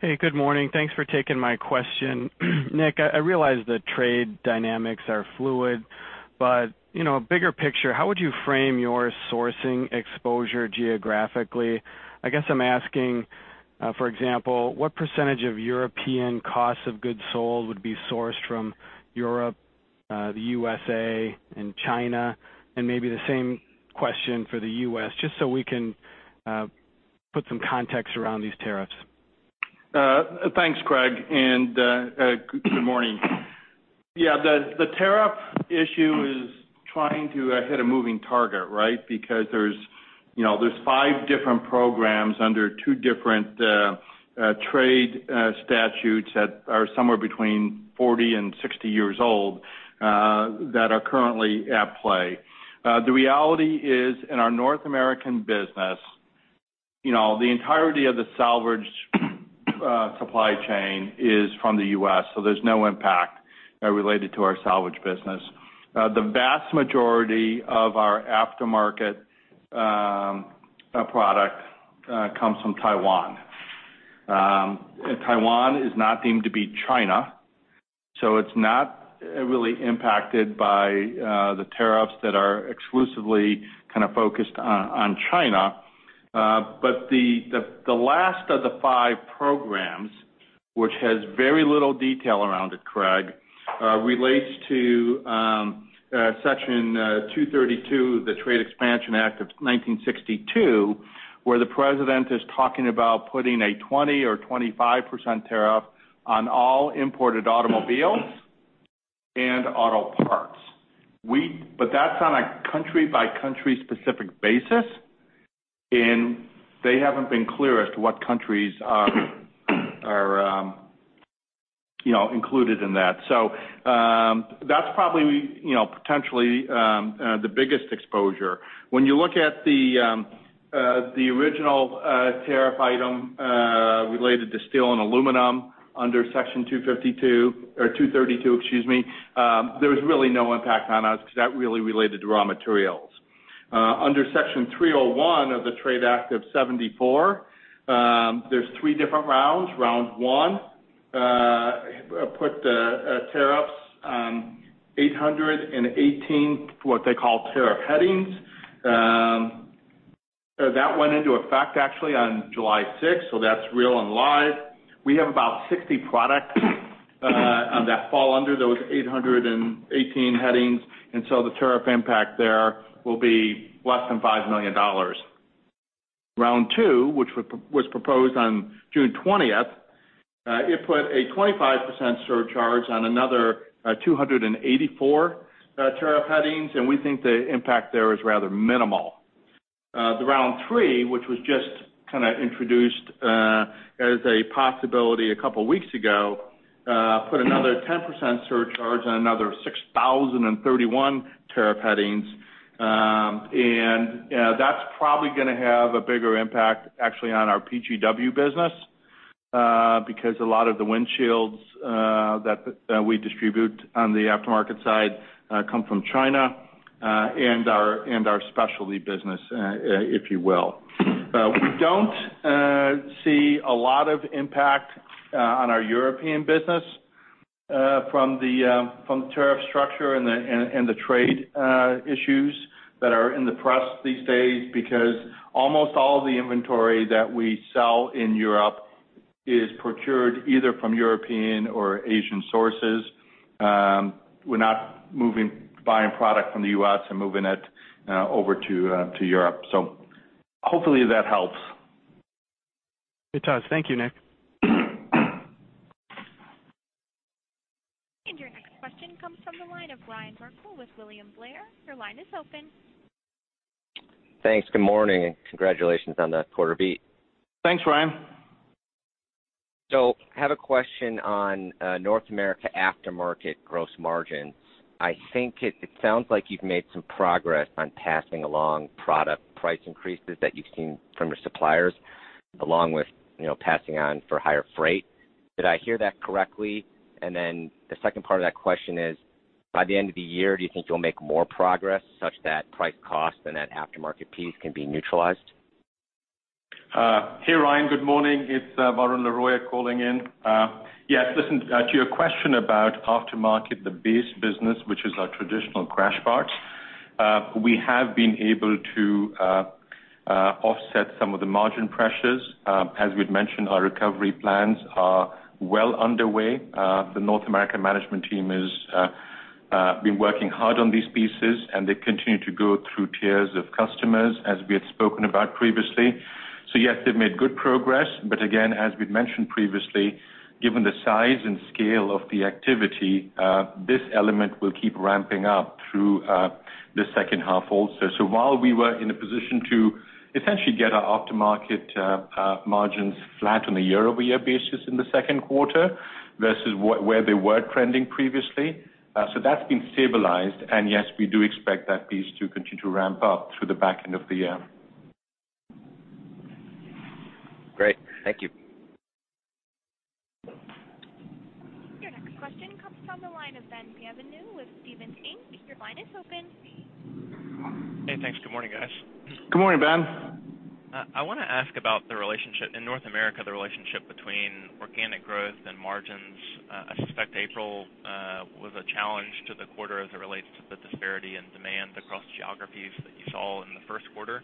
[SPEAKER 5] Hey, good morning. Thanks for taking my question. Nick, I realize the trade dynamics are fluid, but bigger picture, how would you frame your sourcing exposure geographically? I guess I'm asking, for example, what percentage of European cost of goods sold would be sourced from Europe, the U.S.A., and China, and maybe the same question for the U.S., just so we can put some context around these tariffs.
[SPEAKER 2] Thanks, Craig, and good morning. Yeah, the tariff issue is trying to hit a moving target, right? Because there's five different programs under two different trade statutes that are somewhere between 40 and 60 years old that are currently at play. The reality is, in our North American business, the entirety of the salvage supply chain is from the U.S., so there's no impact related to our salvage business. The vast majority of our aftermarket product comes from Taiwan. Taiwan is not deemed to be China, so it's not really impacted by the tariffs that are exclusively kind of focused on China. The last of the five programs, which has very little detail around it, Craig, relates to Section 232 of the Trade Expansion Act of 1962, where the president is talking about putting a 20% or 25% tariff on all imported automobiles and auto parts. That's on a country-by-country specific basis, and they haven't been clear as to what countries are included in that. That's probably potentially the biggest exposure. When you look at the original tariff item related to steel and aluminum under Section 232, excuse me, there was really no impact on us because that really related to raw materials. Under Section 301 of the Trade Act of 1974, there's three different rounds. Round one put tariffs on 818, what they call tariff headings. That went into effect actually on July 6th, so that's real and live. We have about 60 products that fall under those 818 headings, the tariff impact there will be less than $5 million. Round two, which was proposed on June 20th, it put a 25% surcharge on another 284 tariff headings, and we think the impact there is rather minimal. The round three, which was just kind of introduced as a possibility a couple of weeks ago, put another 10% surcharge on another 6,031 tariff headings. That's probably going to have a bigger impact actually on our PGW business, because a lot of the windshields that we distribute on the aftermarket side come from China, and our specialty business, if you will. We don't see a lot of impact on our European business from the tariff structure and the trade issues that are in the press these days, because almost all the inventory that we sell in Europe is procured either from European or Asian sources. We're not buying product from the U.S. and moving it over to Europe. Hopefully that helps.
[SPEAKER 5] It does. Thank you, Nick.
[SPEAKER 4] Your next question comes from the line of Ryan Merkel with William Blair. Your line is open.
[SPEAKER 6] Thanks. Good morning, congratulations on the quarter beat.
[SPEAKER 2] Thanks, Ryan.
[SPEAKER 6] I have a question on North America aftermarket gross margins. I think it sounds like you've made some progress on passing along product price increases that you've seen from your suppliers, along with passing on for higher freight. Did I hear that correctly? The second part of that question is, by the end of the year, do you think you'll make more progress such that price cost and that aftermarket piece can be neutralized?
[SPEAKER 3] Hey, Ryan. Good morning. It's Varun Laroyia calling in. Listen, to your question about aftermarket, the base business, which is our traditional crash parts. We have been able to offset some of the margin pressures. As we'd mentioned, our recovery plans are well underway. The North American management team has been working hard on these pieces, and they continue to go through tiers of customers, as we had spoken about previously. Yes, they've made good progress. Again, as we've mentioned previously, given the size and scale of the activity, this element will keep ramping up through the second half also. While we were in a position to essentially get our aftermarket margins flat on a year-over-year basis in the second quarter versus where they were trending previously. That's been stabilized, and yes, we do expect that piece to continue to ramp up through the back end of the year.
[SPEAKER 6] Great. Thank you.
[SPEAKER 4] Your next question comes from the line of Ben Bienvenu with Stephens Inc. Your line is open.
[SPEAKER 2] Hey, thanks. Good morning, guys.
[SPEAKER 3] Good morning, Ben.
[SPEAKER 7] I want to ask about the relationship in North America, the relationship between organic growth and margins. I suspect April was a challenge to the quarter as it relates to the disparity in demand across geographies that you saw in the first quarter.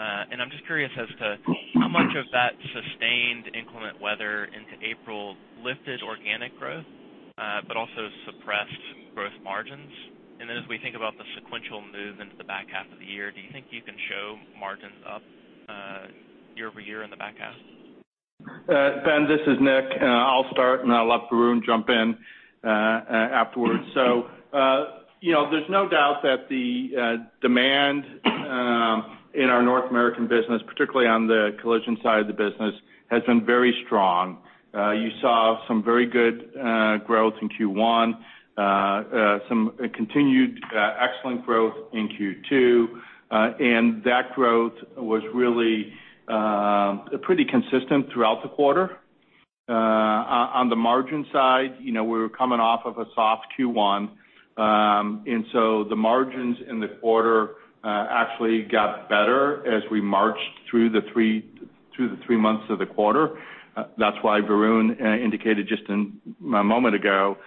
[SPEAKER 7] I'm just curious as to how much of that sustained inclement weather into April lifted organic growth, but also suppressed margins. As we think about the sequential move into the back half of the year, do you think you can show margins up year-over-year in the back half?
[SPEAKER 2] Ben, this is Nick. I'll start, and I'll let Varun jump in afterwards. There's no doubt that the demand in our North American business, particularly on the collision side of the business, has been very strong. You saw some very good growth in Q1, some continued excellent growth in Q2. That growth was really pretty consistent throughout the quarter. On the margin side, we were coming off of a soft Q1. The margins in the quarter actually got better as we marched through the three months of the quarter. That's why Varun indicated just a moment ago that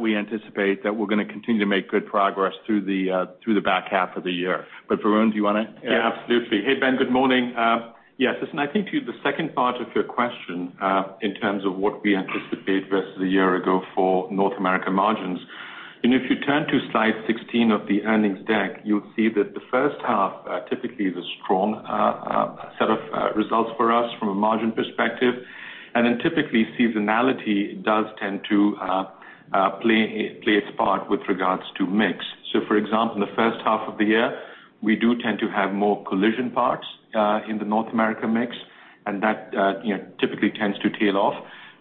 [SPEAKER 2] we anticipate that we're going to continue to make good progress through the back half of the year. Varun, do you want to add?
[SPEAKER 3] Yeah, absolutely. Hey, Ben, good morning. Yes, listen, I think to the second part of your question in terms of what we anticipate rest of the year ago for North America margins, if you turn to slide 16 of the earnings deck, you'll see that the first half typically is a strong set of results for us from a margin perspective. Typically seasonality does tend to play its part with regards to mix. For example, in the first half of the year, we do tend to have more collision parts in the North America mix, and that typically tends to tail off.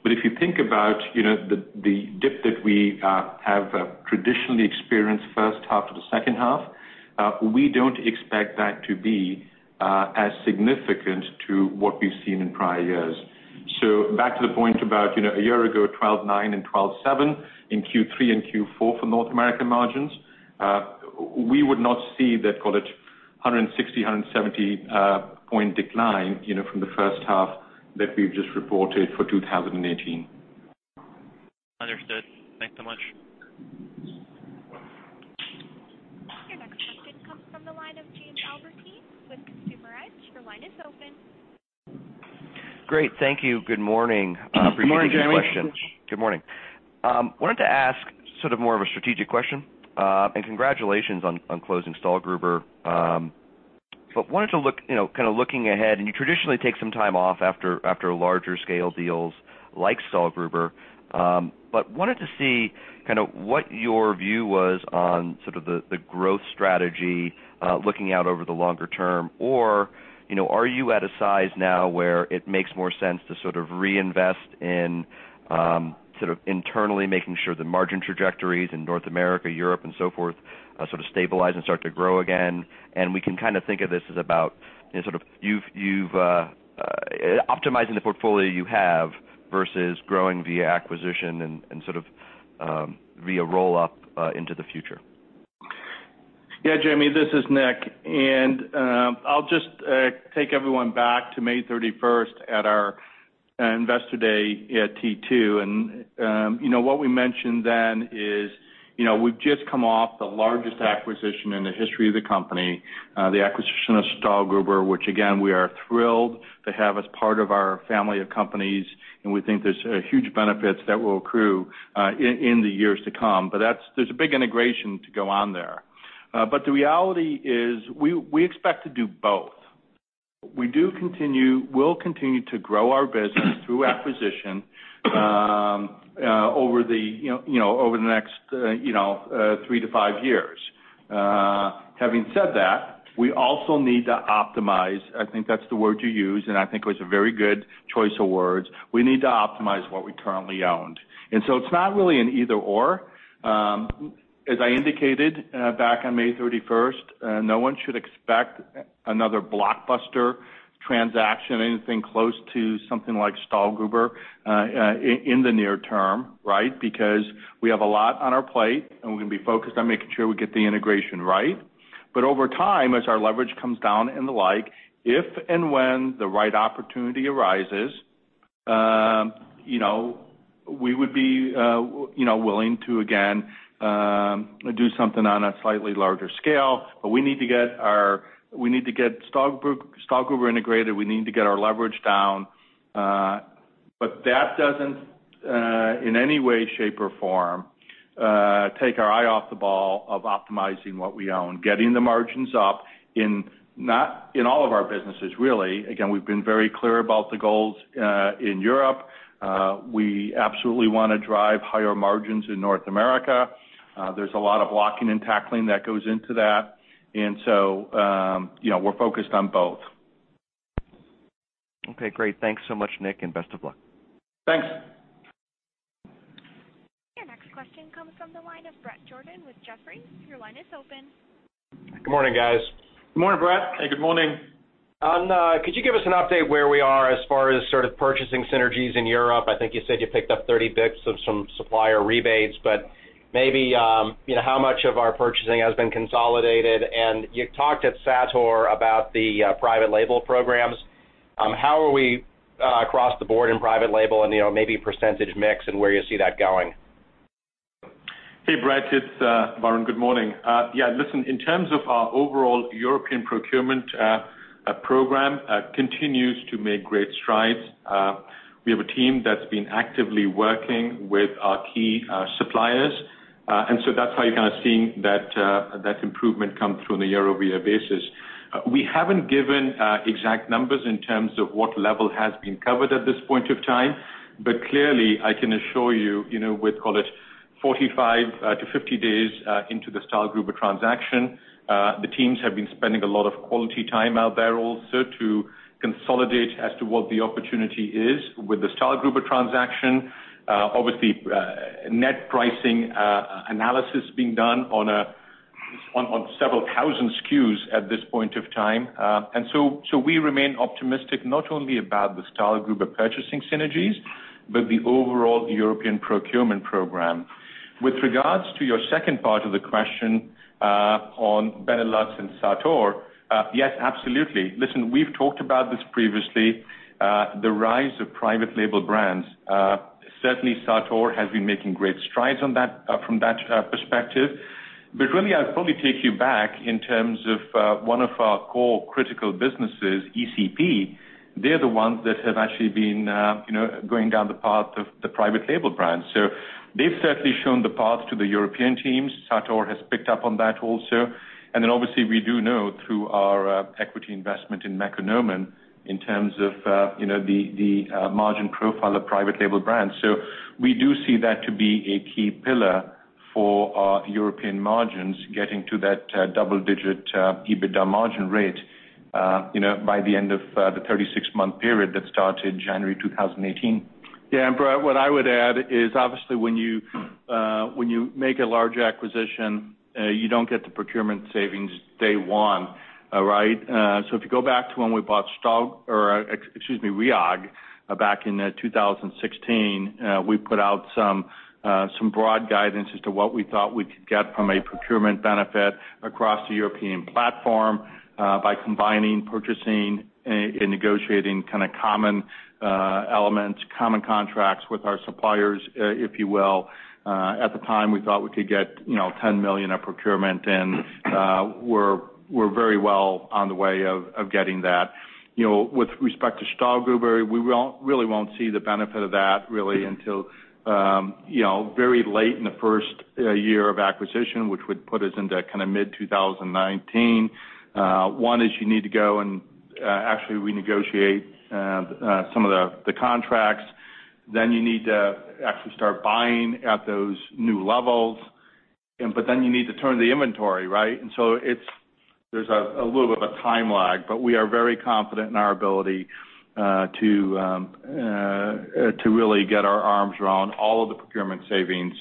[SPEAKER 3] If you think about the dip that we have traditionally experienced first half to the second half, we don't expect that to be as significant to what we've seen in prior years. Back to the point about a year ago, 12.9 and 12.7 in Q3 and Q4 for North America margins, we would not see that, call it 160, 170 point decline from the first half that we've just reported for 2018.
[SPEAKER 7] Understood. Thanks so much.
[SPEAKER 4] Your next question comes from the line of Jamie Albertine with Consumer Edge. Your line is open.
[SPEAKER 8] Great. Thank you. Good morning.
[SPEAKER 2] Good morning, Jamie.
[SPEAKER 8] Appreciate it. Good morning. Wanted to ask sort of more of a strategic question. Congratulations on closing Stahlgruber. Wanted to look, kind of looking ahead, You traditionally take some time off after larger scale deals like Stahlgruber. Wanted to see what your view was on sort of the growth strategy looking out over the longer term, or are you at a size now where it makes more sense to sort of reinvest in sort of internally making sure the margin trajectories in North America, Europe, and so forth, sort of stabilize and start to grow again? We can kind of think of this as about sort of you're optimizing the portfolio you have versus growing via acquisition and sort of via roll-up into the future.
[SPEAKER 2] Jamie, this is Nick, and I'll just take everyone back to May 31st at our investor day at T2. What we mentioned then is we've just come off the largest acquisition in the history of the company, the acquisition of Stahlgruber, which again, we are thrilled to have as part of our family of companies, and we think there's huge benefits that will accrue in the years to come. There's a big integration to go on there. The reality is we expect to do both. We will continue to grow our business through acquisition over the next 3 to 5 years. Having said that, we also need to optimize. I think that's the word you used, and I think it was a very good choice of words. We need to optimize what we currently own. It's not really an either/or. As I indicated back on May 31st, no one should expect another blockbuster transaction, anything close to something like Stahlgruber in the near term, right? Because we have a lot on our plate, and we're going to be focused on making sure we get the integration right. Over time, as our leverage comes down and the like, if and when the right opportunity arises, we would be willing to, again, do something on a slightly larger scale. We need to get Stahlgruber integrated. We need to get our leverage down. That doesn't, in any way, shape, or form, take our eye off the ball of optimizing what we own, getting the margins up in all of our businesses, really. Again, we've been very clear about the goals in Europe. We absolutely want to drive higher margins in North America. There's a lot of blocking and tackling that goes into that. We're focused on both.
[SPEAKER 8] Okay, great. Thanks so much, Nick, and best of luck.
[SPEAKER 2] Thanks.
[SPEAKER 4] Your next question comes from the line of Bret Jordan with Jefferies. Your line is open.
[SPEAKER 9] Good morning, guys.
[SPEAKER 2] Good morning, Bret.
[SPEAKER 3] Hey, good morning.
[SPEAKER 9] Could you give us an update where we are as far as sort of purchasing synergies in Europe? I think you said you picked up 30 basis points of some supplier rebates, but maybe how much of our purchasing has been consolidated. You talked at Sator about the private label programs. How are we across the board in private label and maybe percentage mix and where you see that going?
[SPEAKER 3] Hey, Bret, it's Varun. Good morning. Listen, in terms of our overall European procurement program continues to make great strides. We have a team that's been actively working with our key suppliers. That's how you're kind of seeing that improvement come through on a year-over-year basis. We haven't given exact numbers in terms of what level has been covered at this point of time. Clearly, I can assure you, with call it 45-50 days into the Stahlgruber transaction, the teams have been spending a lot of quality time out there also to consolidate as to what the opportunity is with the Stahlgruber transaction. Obviously, net pricing analysis being done on several thousand SKUs at this point of time. We remain optimistic not only about the Stahlgruber purchasing synergies, but the overall European procurement program. With regards to your second part of the question on Benelux and Sator, yes, absolutely. Listen, we've talked about this previously, the rise of private label brands. Certainly Sator has been making great strides from that perspective. Really, I'd probably take you back in terms of one of our core critical businesses, ECP. They're the ones that have actually been going down the path of the private label brands. They've certainly shown the path to the European teams. Sator has picked up on that also. Obviously, we do know through our equity investment in Mekonomen in terms of the margin profile of private label brands. We do see that to be a key pillar for our European margins getting to that double-digit EBITDA margin rate by the end of the 36-month period that started January 2018.
[SPEAKER 2] Bret, what I would add is obviously when you make a large acquisition, you don't get the procurement savings day one, right? If you go back to when we bought Rhiag back in 2016, we put out some broad guidance as to what we thought we could get from a procurement benefit across the European platform by combining purchasing and negotiating kind of common elements, common contracts with our suppliers, if you will. At the time, we thought we could get $10 million of procurement, we're very well on the way of getting that. With respect to Stahlgruber, we really won't see the benefit of that really until very late in the first year of acquisition, which would put us into kind of mid-2019. One is you need to go and actually renegotiate some of the contracts. You need to actually start buying at those new levels. You need to turn the inventory, right? There's a little bit of a time lag, but we are very confident in our ability to really get our arms around all of the procurement savings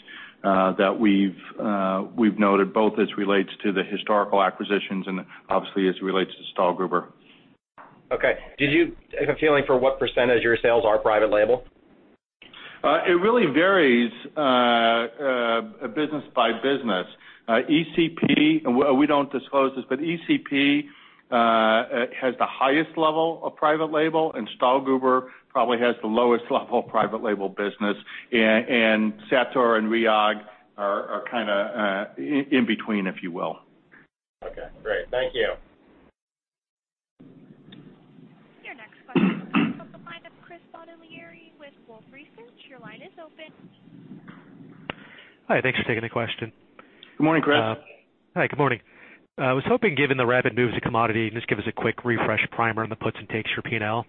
[SPEAKER 2] that we've noted, both as relates to the historical acquisitions and obviously as it relates to Stahlgruber.
[SPEAKER 9] Okay. Do you have a feeling for what % of your sales are private label?
[SPEAKER 2] It really varies business by business. ECP, we don't disclose this, but ECP has the highest level of private label, and Stahlgruber probably has the lowest level of private label business. Sator and Rhiag are kind of in between, if you will.
[SPEAKER 9] Okay, great. Thank you.
[SPEAKER 4] Your next question comes on the line of Chris Bottiglieri with Wolfe Research. Your line is open.
[SPEAKER 10] Hi, thanks for taking the question.
[SPEAKER 2] Good morning, Chris.
[SPEAKER 10] Hi, good morning. I was hoping, given the rapid moves to commodity, can you just give us a quick refresh primer on the puts and takes for P&L?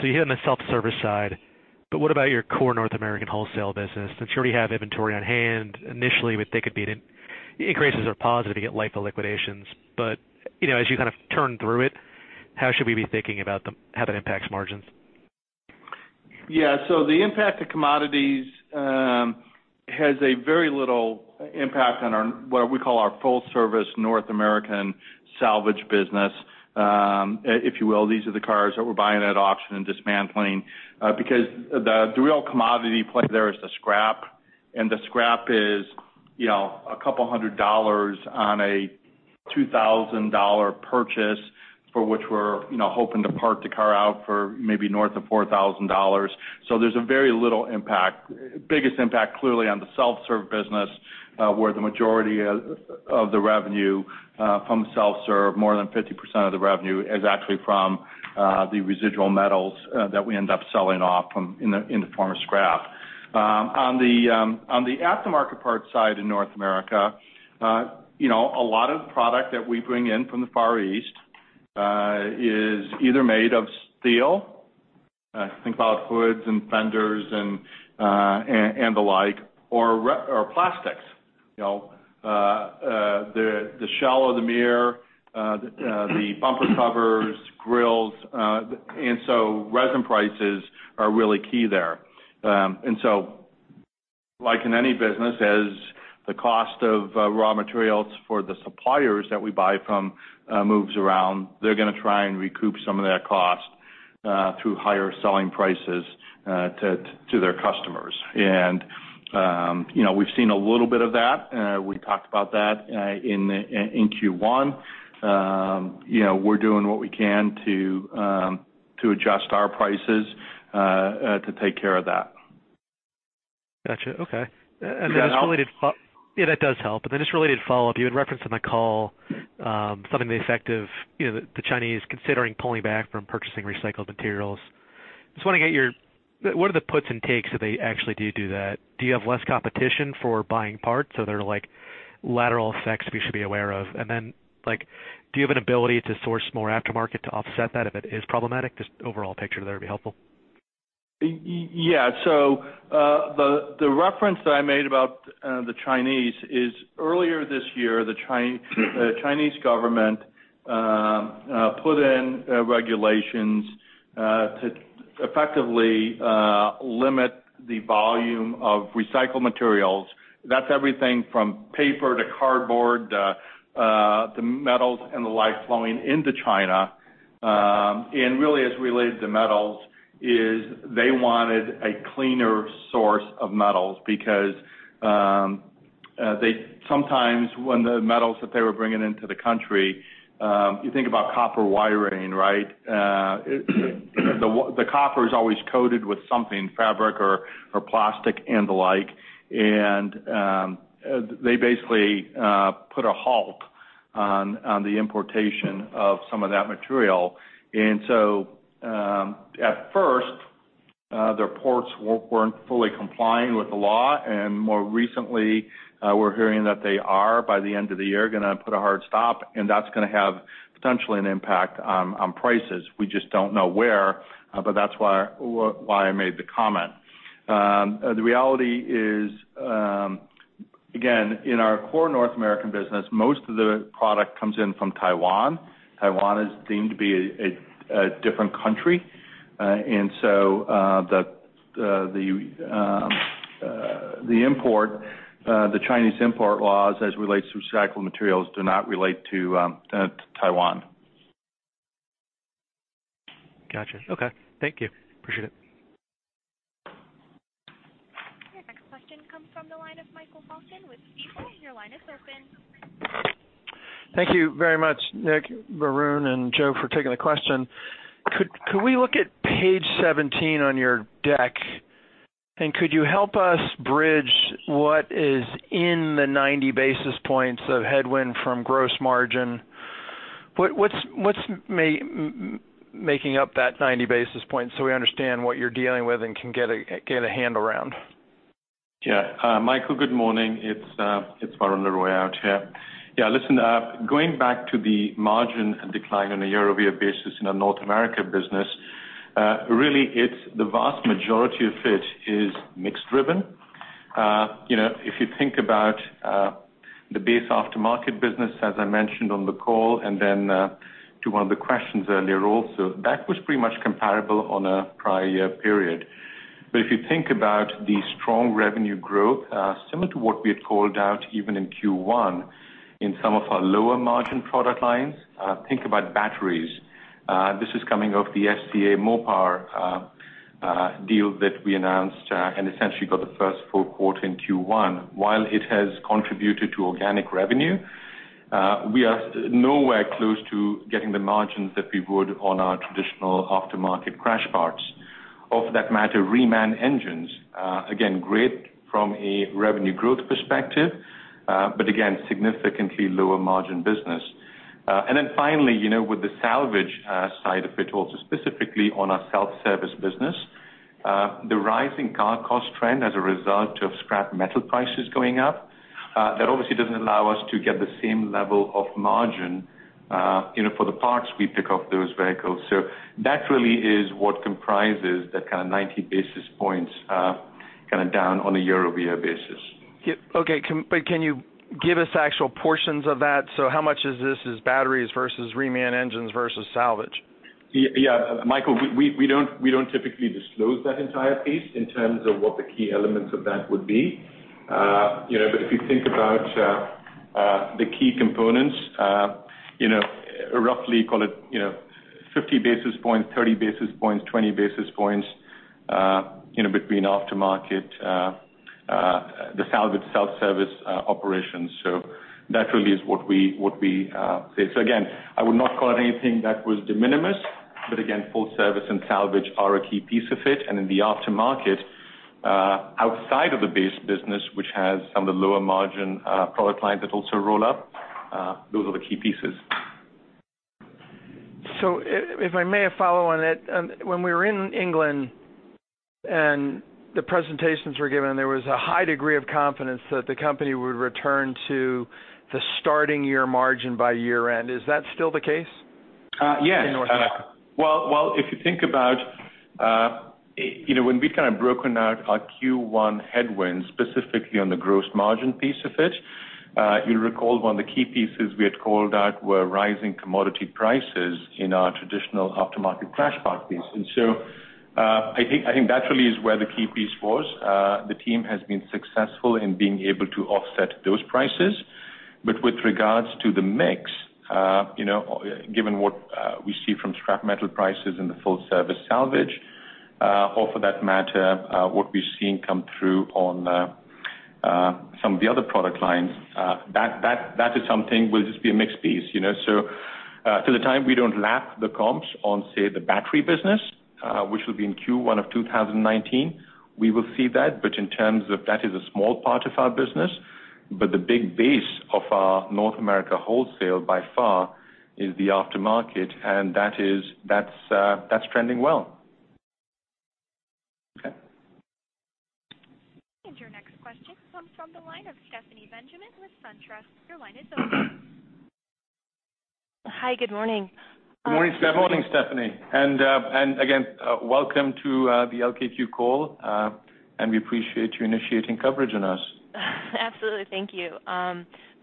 [SPEAKER 10] You hit on the self-service side, but what about your core North American wholesale business? Since you already have inventory on hand initially, we think it'd be increases are positive, you get LIFO liquidations. As you kind of turn through it, how should we be thinking about how that impacts margins?
[SPEAKER 2] Yeah. The impact to commodities has a very little impact on our, what we call our full service North American salvage business, if you will. These are the cars that we're buying at auction and dismantling. Because the real commodity play there is the scrap, and the scrap is a couple hundred dollars on a $2,000 purchase, for which we're hoping to part the car out for maybe north of $4,000. There's a very little impact. Biggest impact clearly on the self-serve business, where the majority of the revenue from self-serve, more than 50% of the revenue is actually from the residual metals that we end up selling off in the form of scrap. On the aftermarket parts side in North America, a lot of product that we bring in from the Far East is either made of steel, think about hoods and fenders and the like, or plastics. The shell of the mirror, the bumper covers, grills. Resin prices are really key there. Like in any business, as the cost of raw materials for the suppliers that we buy from moves around, they're going to try and recoup some of that cost through higher selling prices to their customers. We've seen a little bit of that. We talked about that in Q1. We're doing what we can to adjust our prices to take care of that.
[SPEAKER 10] Got you. Okay. Just a related-
[SPEAKER 2] Does that help?
[SPEAKER 10] That does help. Just a related follow-up. You had referenced on the call something to the effect of the Chinese considering pulling back from purchasing recycled materials. Just want to get what are the puts and takes if they actually do that? Do you have less competition for buying parts? Are there lateral effects we should be aware of? Do you have an ability to source more aftermarket to offset that if it is problematic? Just overall picture there would be helpful.
[SPEAKER 2] The reference that I made about the Chinese is earlier this year, the Chinese government put in regulations to effectively limit the volume of recycled materials. That's everything from paper to cardboard, to metals and the like flowing into China. As it relates to metals, is they wanted a cleaner source of metals because they sometimes, when the metals that they were bringing into the country, you think about copper wiring, right? The copper is always coated with something, fabric or plastic and the like. They basically put a halt on the importation of some of that material. At first, their ports weren't fully complying with the law. More recently, we're hearing that they are, by the end of the year, going to put a hard stop, and that's going to have potentially an impact on prices. We just don't know where. That's why I made the comment. The reality is, again, in our core North American business, most of the product comes in from Taiwan. Taiwan is deemed to be a different country. The import, the Chinese import laws as relates to recycled materials, do not relate to Taiwan.
[SPEAKER 10] Got you. Okay. Thank you. Appreciate it.
[SPEAKER 4] Your next question comes from the line of Michael Bolton with Oppenheimer. Your line is open.
[SPEAKER 11] Thank you very much, Nick, Varun, and Joe, for taking the question. Could we look at page 17 on your deck, and could you help us bridge what is in the 90 basis points of headwind from gross margin? What's making up that 90 basis points so we understand what you're dealing with and can get a handle around?
[SPEAKER 3] Yeah. Michael, good morning. It's Varun Laroyia here. Yeah, listen, going back to the margin decline on a year-over-year basis in our North America business, really, the vast majority of it is mix-driven. If you think about the base aftermarket business, as I mentioned on the call, and then to one of the questions earlier also, that was pretty much comparable on a prior year period. If you think about the strong revenue growth, similar to what we had called out even in Q1 in some of our lower margin product lines, think about batteries. This is coming off the FCA Mopar deal that we announced and essentially got the first full quarter in Q1. It has contributed to organic revenue, we are nowhere close to getting the margins that we would on our traditional aftermarket crash parts. Of that matter, reman engines, again, great from a revenue growth perspective, but again, significantly lower margin business. Then finally, with the salvage side of it also, specifically on our self-service business, the rising car cost trend as a result of scrap metal prices going up, that obviously doesn't allow us to get the same level of margin for the parts we pick up those vehicles. That really is what comprises that kind of 90 basis points, kind of down on a year-over-year basis.
[SPEAKER 11] Can you give us actual portions of that? How much is this, is batteries versus reman engines versus salvage?
[SPEAKER 3] Michael, we don't typically disclose that entire piece in terms of what the key elements of that would be. If you think about the key components, roughly call it 50 basis points, 30 basis points, 20 basis points between aftermarket, the salvage self-service operations. That really is what we say. Again, I would not call it anything that was de minimis, again, full service and salvage are a key piece of it. In the aftermarket, outside of the base business, which has some of the lower margin product lines that also roll up, those are the key pieces.
[SPEAKER 11] If I may follow on it, when we were in England and the presentations were given, there was a high degree of confidence that the company would return to the starting year margin by year-end. Is that still the case in North America?
[SPEAKER 3] Yes. Well, if you think about when we'd kind of broken out our Q1 headwinds, specifically on the gross margin piece of it, you'll recall one of the key pieces we had called out were rising commodity prices in our traditional aftermarket crash part piece. I think that really is where the key piece was. The team has been successful in being able to offset those prices. With regards to the mix, given what we see from scrap metal prices in the full service salvage, or for that matter, what we've seen come through on some of the other product lines, that is something will just be a mixed piece. To the time we don't lap the comps on, say, the battery business, which will be in Q1 of 2019, we will see that. In terms of that is a small part of our business, the big base of our North America wholesale, by far, is the aftermarket, and that's trending well.
[SPEAKER 11] Okay.
[SPEAKER 4] Your next question comes from the line of Stephanie Benjamin with SunTrust. Your line is open.
[SPEAKER 12] Hi, good morning.
[SPEAKER 3] Good morning, Stephanie.
[SPEAKER 2] Good morning, Stephanie. Again, welcome to the LKQ call. We appreciate you initiating coverage on us.
[SPEAKER 12] Absolutely. Thank you.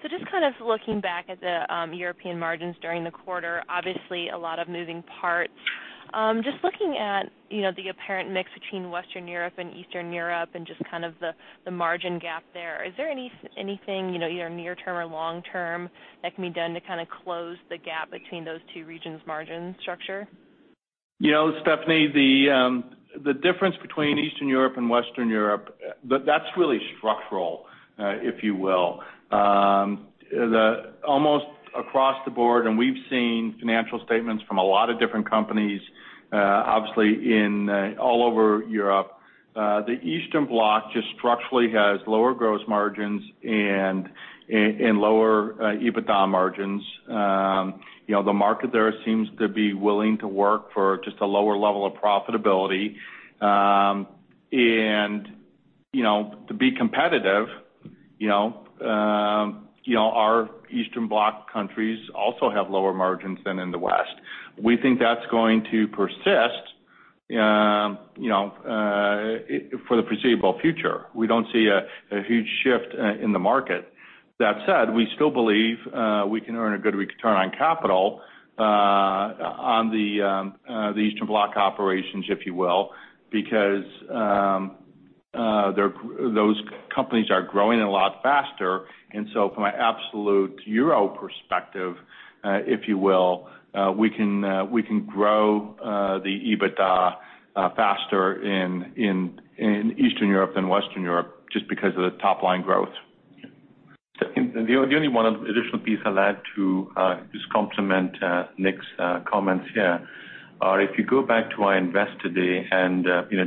[SPEAKER 12] Just kind of looking back at the European margins during the quarter, obviously a lot of moving parts. Just looking at the apparent mix between Western Europe and Eastern Europe and just kind of the margin gap there, is there anything, either near term or long term, that can be done to kind of close the gap between those two regions' margin structure?
[SPEAKER 2] Stephanie, the difference between Eastern Europe and Western Europe, that's really structural, if you will. Almost across the board, we've seen financial statements from a lot of different companies obviously in all over Europe. The Eastern Bloc just structurally has lower gross margins and lower EBITDA margins. The market there seems to be willing to work for just a lower level of profitability. To be competitive, our Eastern Bloc countries also have lower margins than in the West. We think that's going to persist for the foreseeable future. We don't see a huge shift in the market. That said, we still believe we can earn a good return on capital on the Eastern Bloc operations, if you will, because those companies are growing a lot faster. From an absolute euro perspective, if you will, we can grow the EBITDA faster in Eastern Europe than Western Europe just because of the top-line growth.
[SPEAKER 3] The only one additional piece I'll add to just complement Nick's comments here are if you go back to our investor day,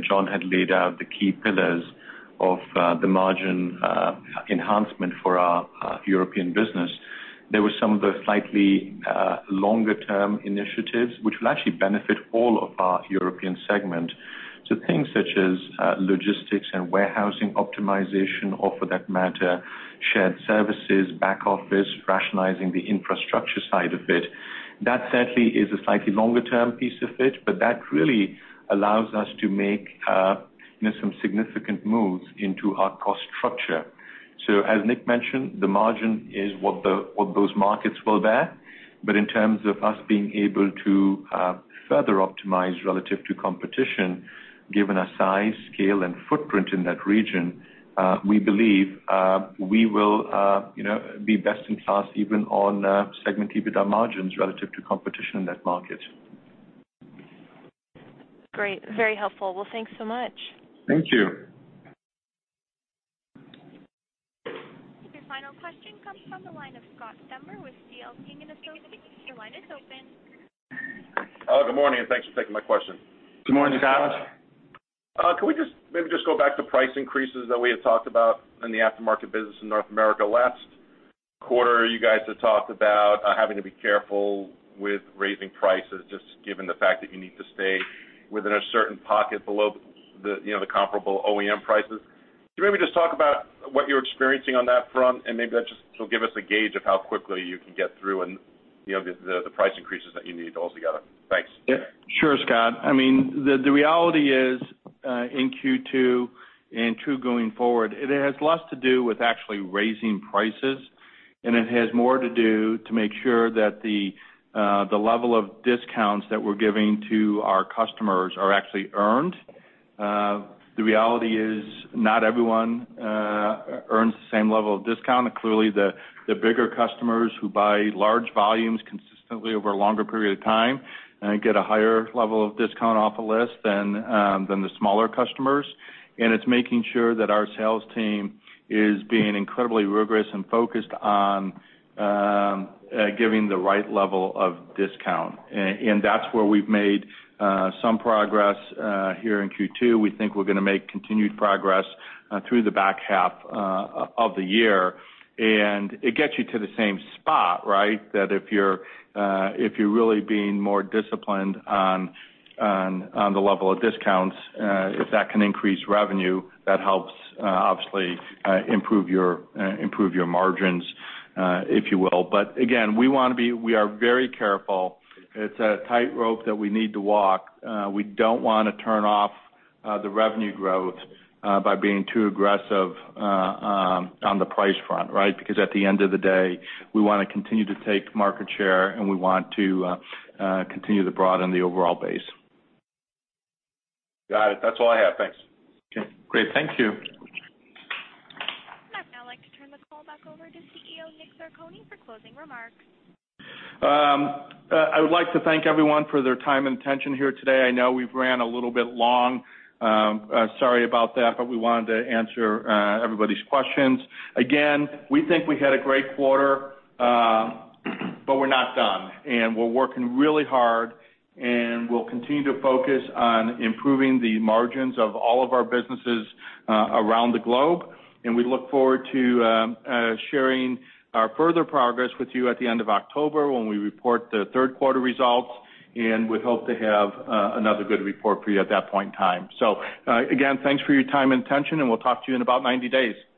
[SPEAKER 3] John had laid out the key pillars of the margin enhancement for our European business. There were some of the slightly longer term initiatives which will actually benefit all of our European segment. Things such as logistics and warehousing optimization or for that matter, shared services, back office, rationalizing the infrastructure side of it. That certainly is a slightly longer term piece of it, that really allows us to make some significant moves into our cost structure. As Nick mentioned, the margin is what those markets will bear. In terms of us being able to further optimize relative to competition, given our size, scale, and footprint in that region, we believe we will be best in class even on segment EBITDA margins relative to competition in that market.
[SPEAKER 12] Great. Very helpful. Well, thanks so much.
[SPEAKER 2] Thank you.
[SPEAKER 4] Your final question comes from the line of Scott Stember with CL King & Associates. Your line is open.
[SPEAKER 13] Hello, good morning. Thanks for taking my question.
[SPEAKER 2] Good morning, Scott.
[SPEAKER 13] Can we maybe just go back to price increases that we had talked about in the aftermarket business in North America last quarter? You guys had talked about having to be careful with raising prices, just given the fact that you need to stay within a certain pocket below the comparable OEM prices. Can you maybe just talk about what you're experiencing on that front, and maybe that just will give us a gauge of how quickly you can get through and the price increases that you need altogether. Thanks.
[SPEAKER 2] Sure, Scott. The reality is, in Q2 and true going forward, it has less to do with actually raising prices, and it has more to do to make sure that the level of discounts that we're giving to our customers are actually earned. The reality is not everyone earns the same level of discount. Clearly, the bigger customers who buy large volumes consistently over a longer period of time get a higher level of discount off a list than the smaller customers. It's making sure that our sales team is being incredibly rigorous and focused on giving the right level of discount. That's where we've made some progress here in Q2. We think we're going to make continued progress through the back half of the year. It gets you to the same spot, right? That if you're really being more disciplined on the level of discounts, if that can increase revenue, that helps obviously improve your margins, if you will. Again, we are very careful. It's a tightrope that we need to walk. We don't want to turn off the revenue growth by being too aggressive on the price front, right? At the end of the day, we want to continue to take market share, and we want to continue to broaden the overall base.
[SPEAKER 13] Got it. That's all I have. Thanks.
[SPEAKER 2] Okay, great. Thank you.
[SPEAKER 4] I'd now like to turn the call back over to CEO Dominick Zarcone for closing remarks.
[SPEAKER 2] I would like to thank everyone for their time and attention here today. I know we've ran a little bit long. Sorry about that, but we wanted to answer everybody's questions. Again, we think we had a great quarter, but we're not done. We're working really hard, and we'll continue to focus on improving the margins of all of our businesses around the globe. We look forward to sharing our further progress with you at the end of October when we report the third quarter results, and we hope to have another good report for you at that point in time. Again, thanks for your time and attention, and we'll talk to you in about 90 days.
[SPEAKER 4] This concludes today's conference call. You may now disconnect.